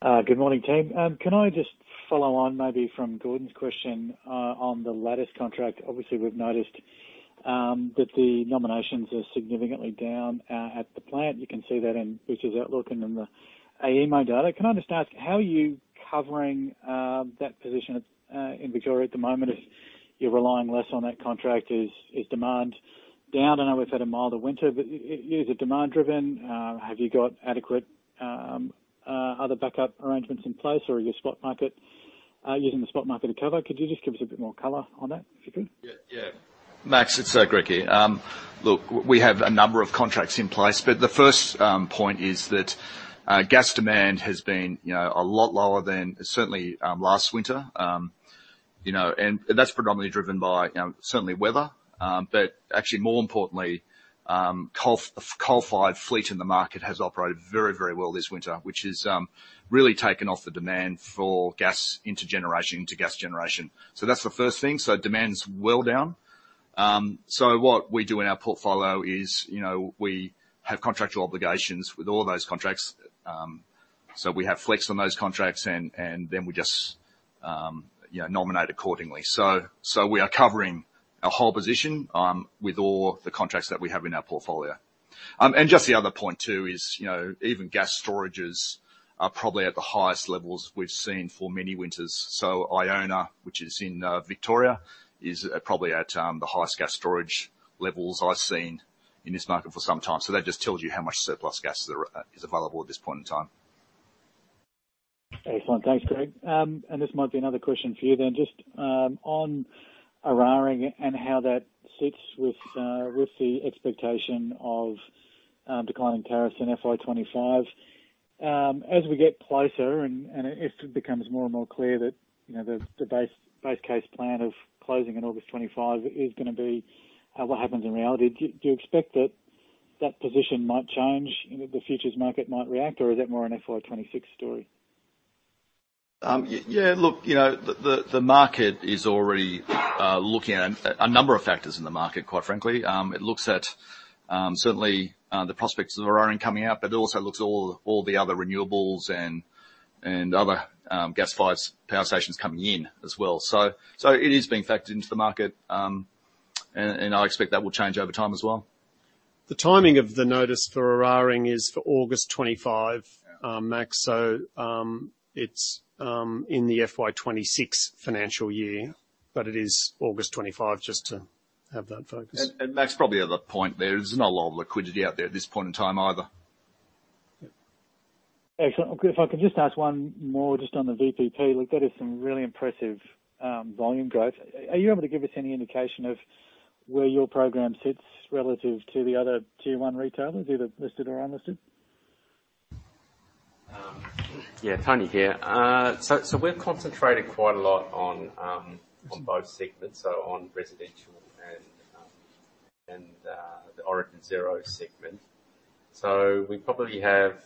Good morning, team. Can I just follow on maybe from Gordon's question on the lattice contract? Obviously, we've noticed that the nominations are significantly down at the plant. You can see that in futures outlook and in the AEMO data. Can I just ask, how are you covering that position in Victoria at the moment, if you're relying less on that contract? Is demand down? I know we've had a milder winter, but is it demand driven? Have you got adequate other backup arrangements in place, or are you spot market using the spot market to cover? Could you just give us a bit more color on that, if you can? Yeah, yeah. Max, it's Greg here. Look, we have a number of contracts in place, but the first point is that gas demand has been, you know, a lot lower than certainly last winter. You know, that's predominantly driven by certainly weather, but actually more importantly, coal-fired fleet in the market has operated very, very well this winter, which has really taken off the demand for gas into generation, into gas generation. That's the first thing. Demand's well down. What we do in our portfolio is, you know, we have contractual obligations with all those contracts. We have flex on those contracts, then we just, you know, nominate accordingly. We are covering our whole position with all the contracts that we have in our portfolio. Just the other point, too, is, you know, even gas storages are probably at the highest levels we've seen for many winters. Iona, which is in Victoria, is probably at the highest gas storage levels I've seen in this market for some time. That just tells you how much surplus gas there is available at this point in time. Excellent. Thanks, Greg. This might be another question for you then. Just on Eraring and how that sits with the expectation of declining tariffs in FY 2025. As we get closer and it becomes more and more clear that, you know, the base, base case plan of closing in August 2025 is gonna be what happens in reality, do you expect that that position might change and that the futures market might react, or is that more an FY 2026 story? Yeah, look, you know, the market is already looking at a number of factors in the market, quite frankly. It looks at, certainly, the prospects of Eraring coming out, but it also looks at all the other renewables and other gas-fired power stations coming in as well. It is being factored into the market, and I expect that will change over time as well. The timing of the notice for Eraring is for August 2025, Max. It's in the FY 2026 financial year, but it is August 2025, just to have that focus. Max, probably another point, there's not a lot of liquidity out there at this point in time either. Yeah. Excellent. If I could just ask one more, just on the VPP. Look, that is some really impressive volume growth. Are you able to give us any indication of where your program sits relative to the other tier one retailers, either listed or unlisted? Yeah, Tony here. We're concentrated quite a lot on both segments, so on residential and the Origin Zero segment. We probably have,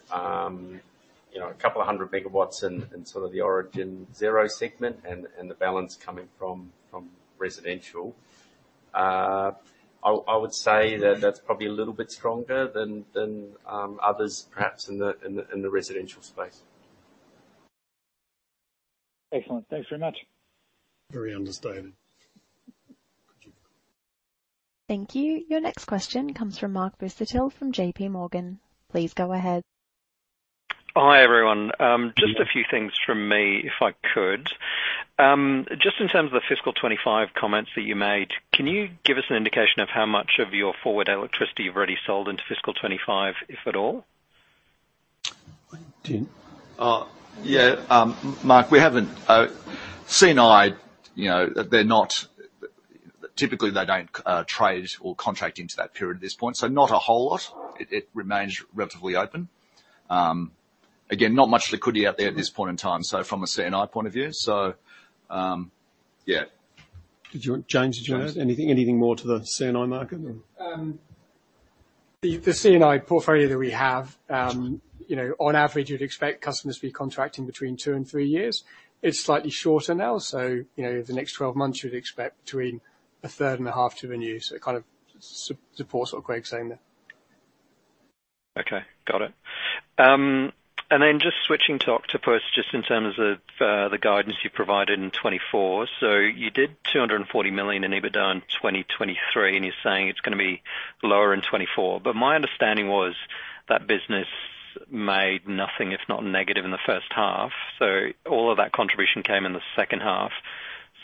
you know, 200 MW in sort of the Origin Zero segment, and the balance coming from residential. I would say that that's probably a little bit stronger than others, perhaps in the residential space. Excellent. Thanks very much. Very understated. Thank you. Your next question comes from Mark Busuttil from JPMorgan. Please go ahead. Hi, everyone. Just a few things from me, if I could. Just in terms of the fiscal 2025 comments that you made, can you give us an indication of how much of your forward electricity you've already sold into fiscal 2025, if at all? Greg? Yeah, Mark, we haven't, CNI, you know, they're not... Typically, they don't trade or contract into that period at this point, so not a whole lot. It, it remains relatively open. Again, not much liquidity out there at this point in time, so from a CNI point of view. Yeah. Did you want, James, did you want to add anything, anything more to the CNI market or? The, the CNI portfolio that we have, you know, on average, you'd expect customers to be contracting between two and three years. It's slightly shorter now, you know, the next 12 months, you'd expect between a third and a half to renew. It kind of supports what Greg's saying there. Okay, got it. Switching to Octopus, in terms of the guidance you provided in 2024. You did $240 million in EBITDA in 2023, and you're saying it's gonna be lower in 2024. My understanding was that business made nothing, if not negative, in the first half. All of that contribution came in the second half.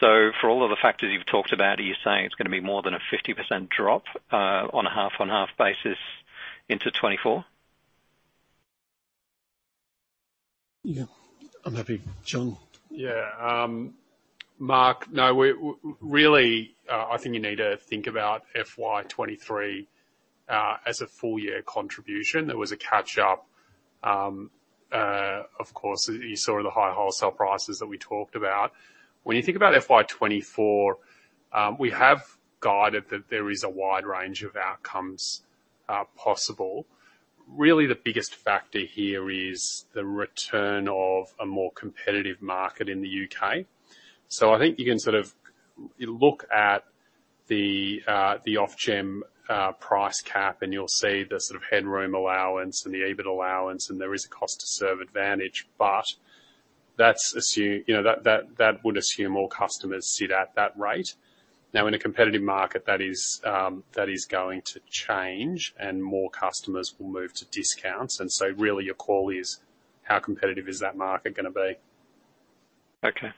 For all of the factors you've talked about, are you saying it's gonna be more than a 50% drop on a half-on-half basis into 2024? Yeah, I'm happy. Jon? Yeah. Mark, no, we really, I think you need to think about FY 2023 as a full year contribution. There was a catch up, of course, you saw the high wholesale prices that we talked about. When you think about FY 2024, we have guided that there is a wide range of outcomes possible. Really, the biggest factor here is the return of a more competitive market in the U.K. I think you can sort of look at the Ofgem price cap, and you'll see the sort of headroom allowance and the EBIT allowance, and there is a cost to serve advantage, but that's assume, you know, that, that, that would assume all customers sit at that rate. In a competitive market, that is, that is going to change and more customers will move to discounts. Really, your call is, how competitive is that market gonna be? Okay.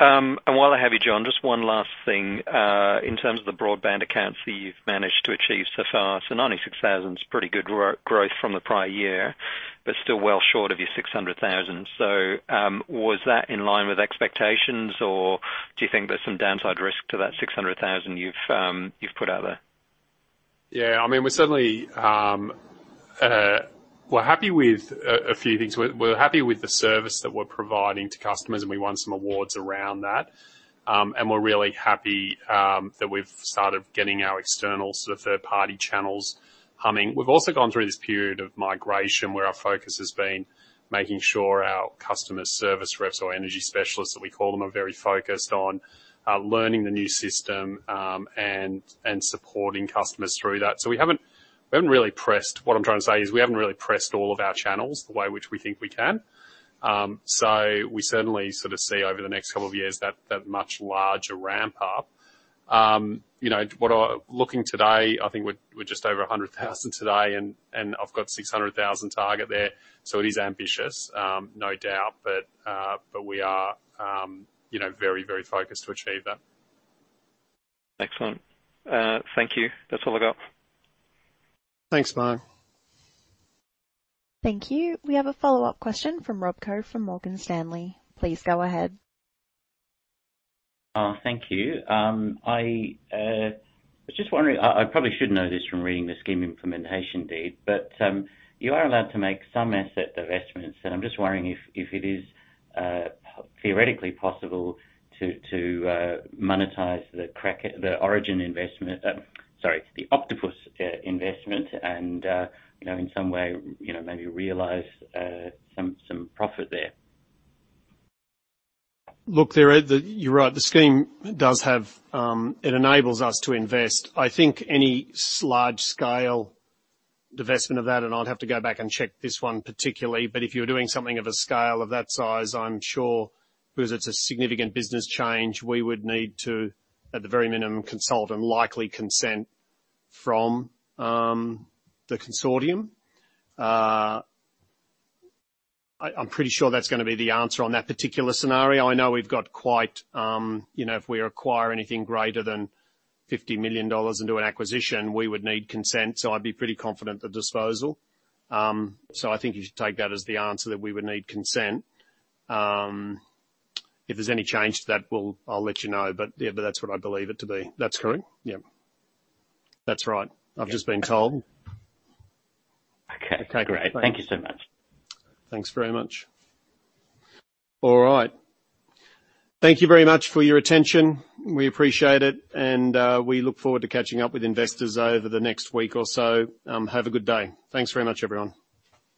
While I have you, John, just one last thing. In terms of the broadband accounts that you've managed to achieve so far, 96,000 is pretty good growth from the prior year, but still well short of your 600,000. Was that in line with expectations, or do you think there's some downside risk to that 600,000 you've, you've put out there? Yeah, I mean, we're certainly, we're happy with a few things. We're, we're happy with the service that we're providing to customers, and we won some awards around that. We're really happy that we've started getting our external, sort of, third-party channels humming. We've also gone through this period of migration, where our focus has been making sure our customer service reps or energy specialists, that we call them, are very focused on learning the new system and supporting customers through that. We haven't really pressed all of our channels the way which we think we can. We certainly sort of see over the next couple of years that, that much larger ramp up. You know, looking today, I think we're just over 100,000 today, and I've got 600,000 target there, so it is ambitious, no doubt, but we are, you know, very, very focused to achieve that. Excellent. Thank you. That's all I've got. Thanks, Mark. Thank you. We have a follow-up question from Rob Koh from Morgan Stanley. Please go ahead. Thank you. I was just wondering, I, I probably should know this from reading the Scheme Implementation Deed, but, you are allowed to make some asset divestments, and I'm just wondering if, if it is, theoretically possible to, to, monetize the Origin investment, sorry, the Octopus investment and, you know, in some way, you know, maybe realize, some, some profit there? Look, you're right. The scheme does have, it enables us to invest. I think any large scale divestment of that, and I'd have to go back and check this one particularly, but if you were doing something of a scale of that size, I'm sure because it's a significant business change, we would need to, at the very minimum, consult and likely consent from the consortium. I, I'm pretty sure that's gonna be the answer on that particular scenario. I know we've got quite, you know, if we acquire anything greater than 50 million dollars into an acquisition, we would need consent, so I'd be pretty confident the disposal. So I think you should take that as the answer, that we would need consent. If there's any change to that, I'll let you know. Yeah, but that's what I believe it to be. That's correct? Yeah. That's right. Yeah. I've just been told. Okay. Okay, great. Thank you so much. Thanks very much. All right. Thank you very much for your attention. We appreciate it, and we look forward to catching up with investors over the next week or so. Have a good day. Thanks very much, everyone.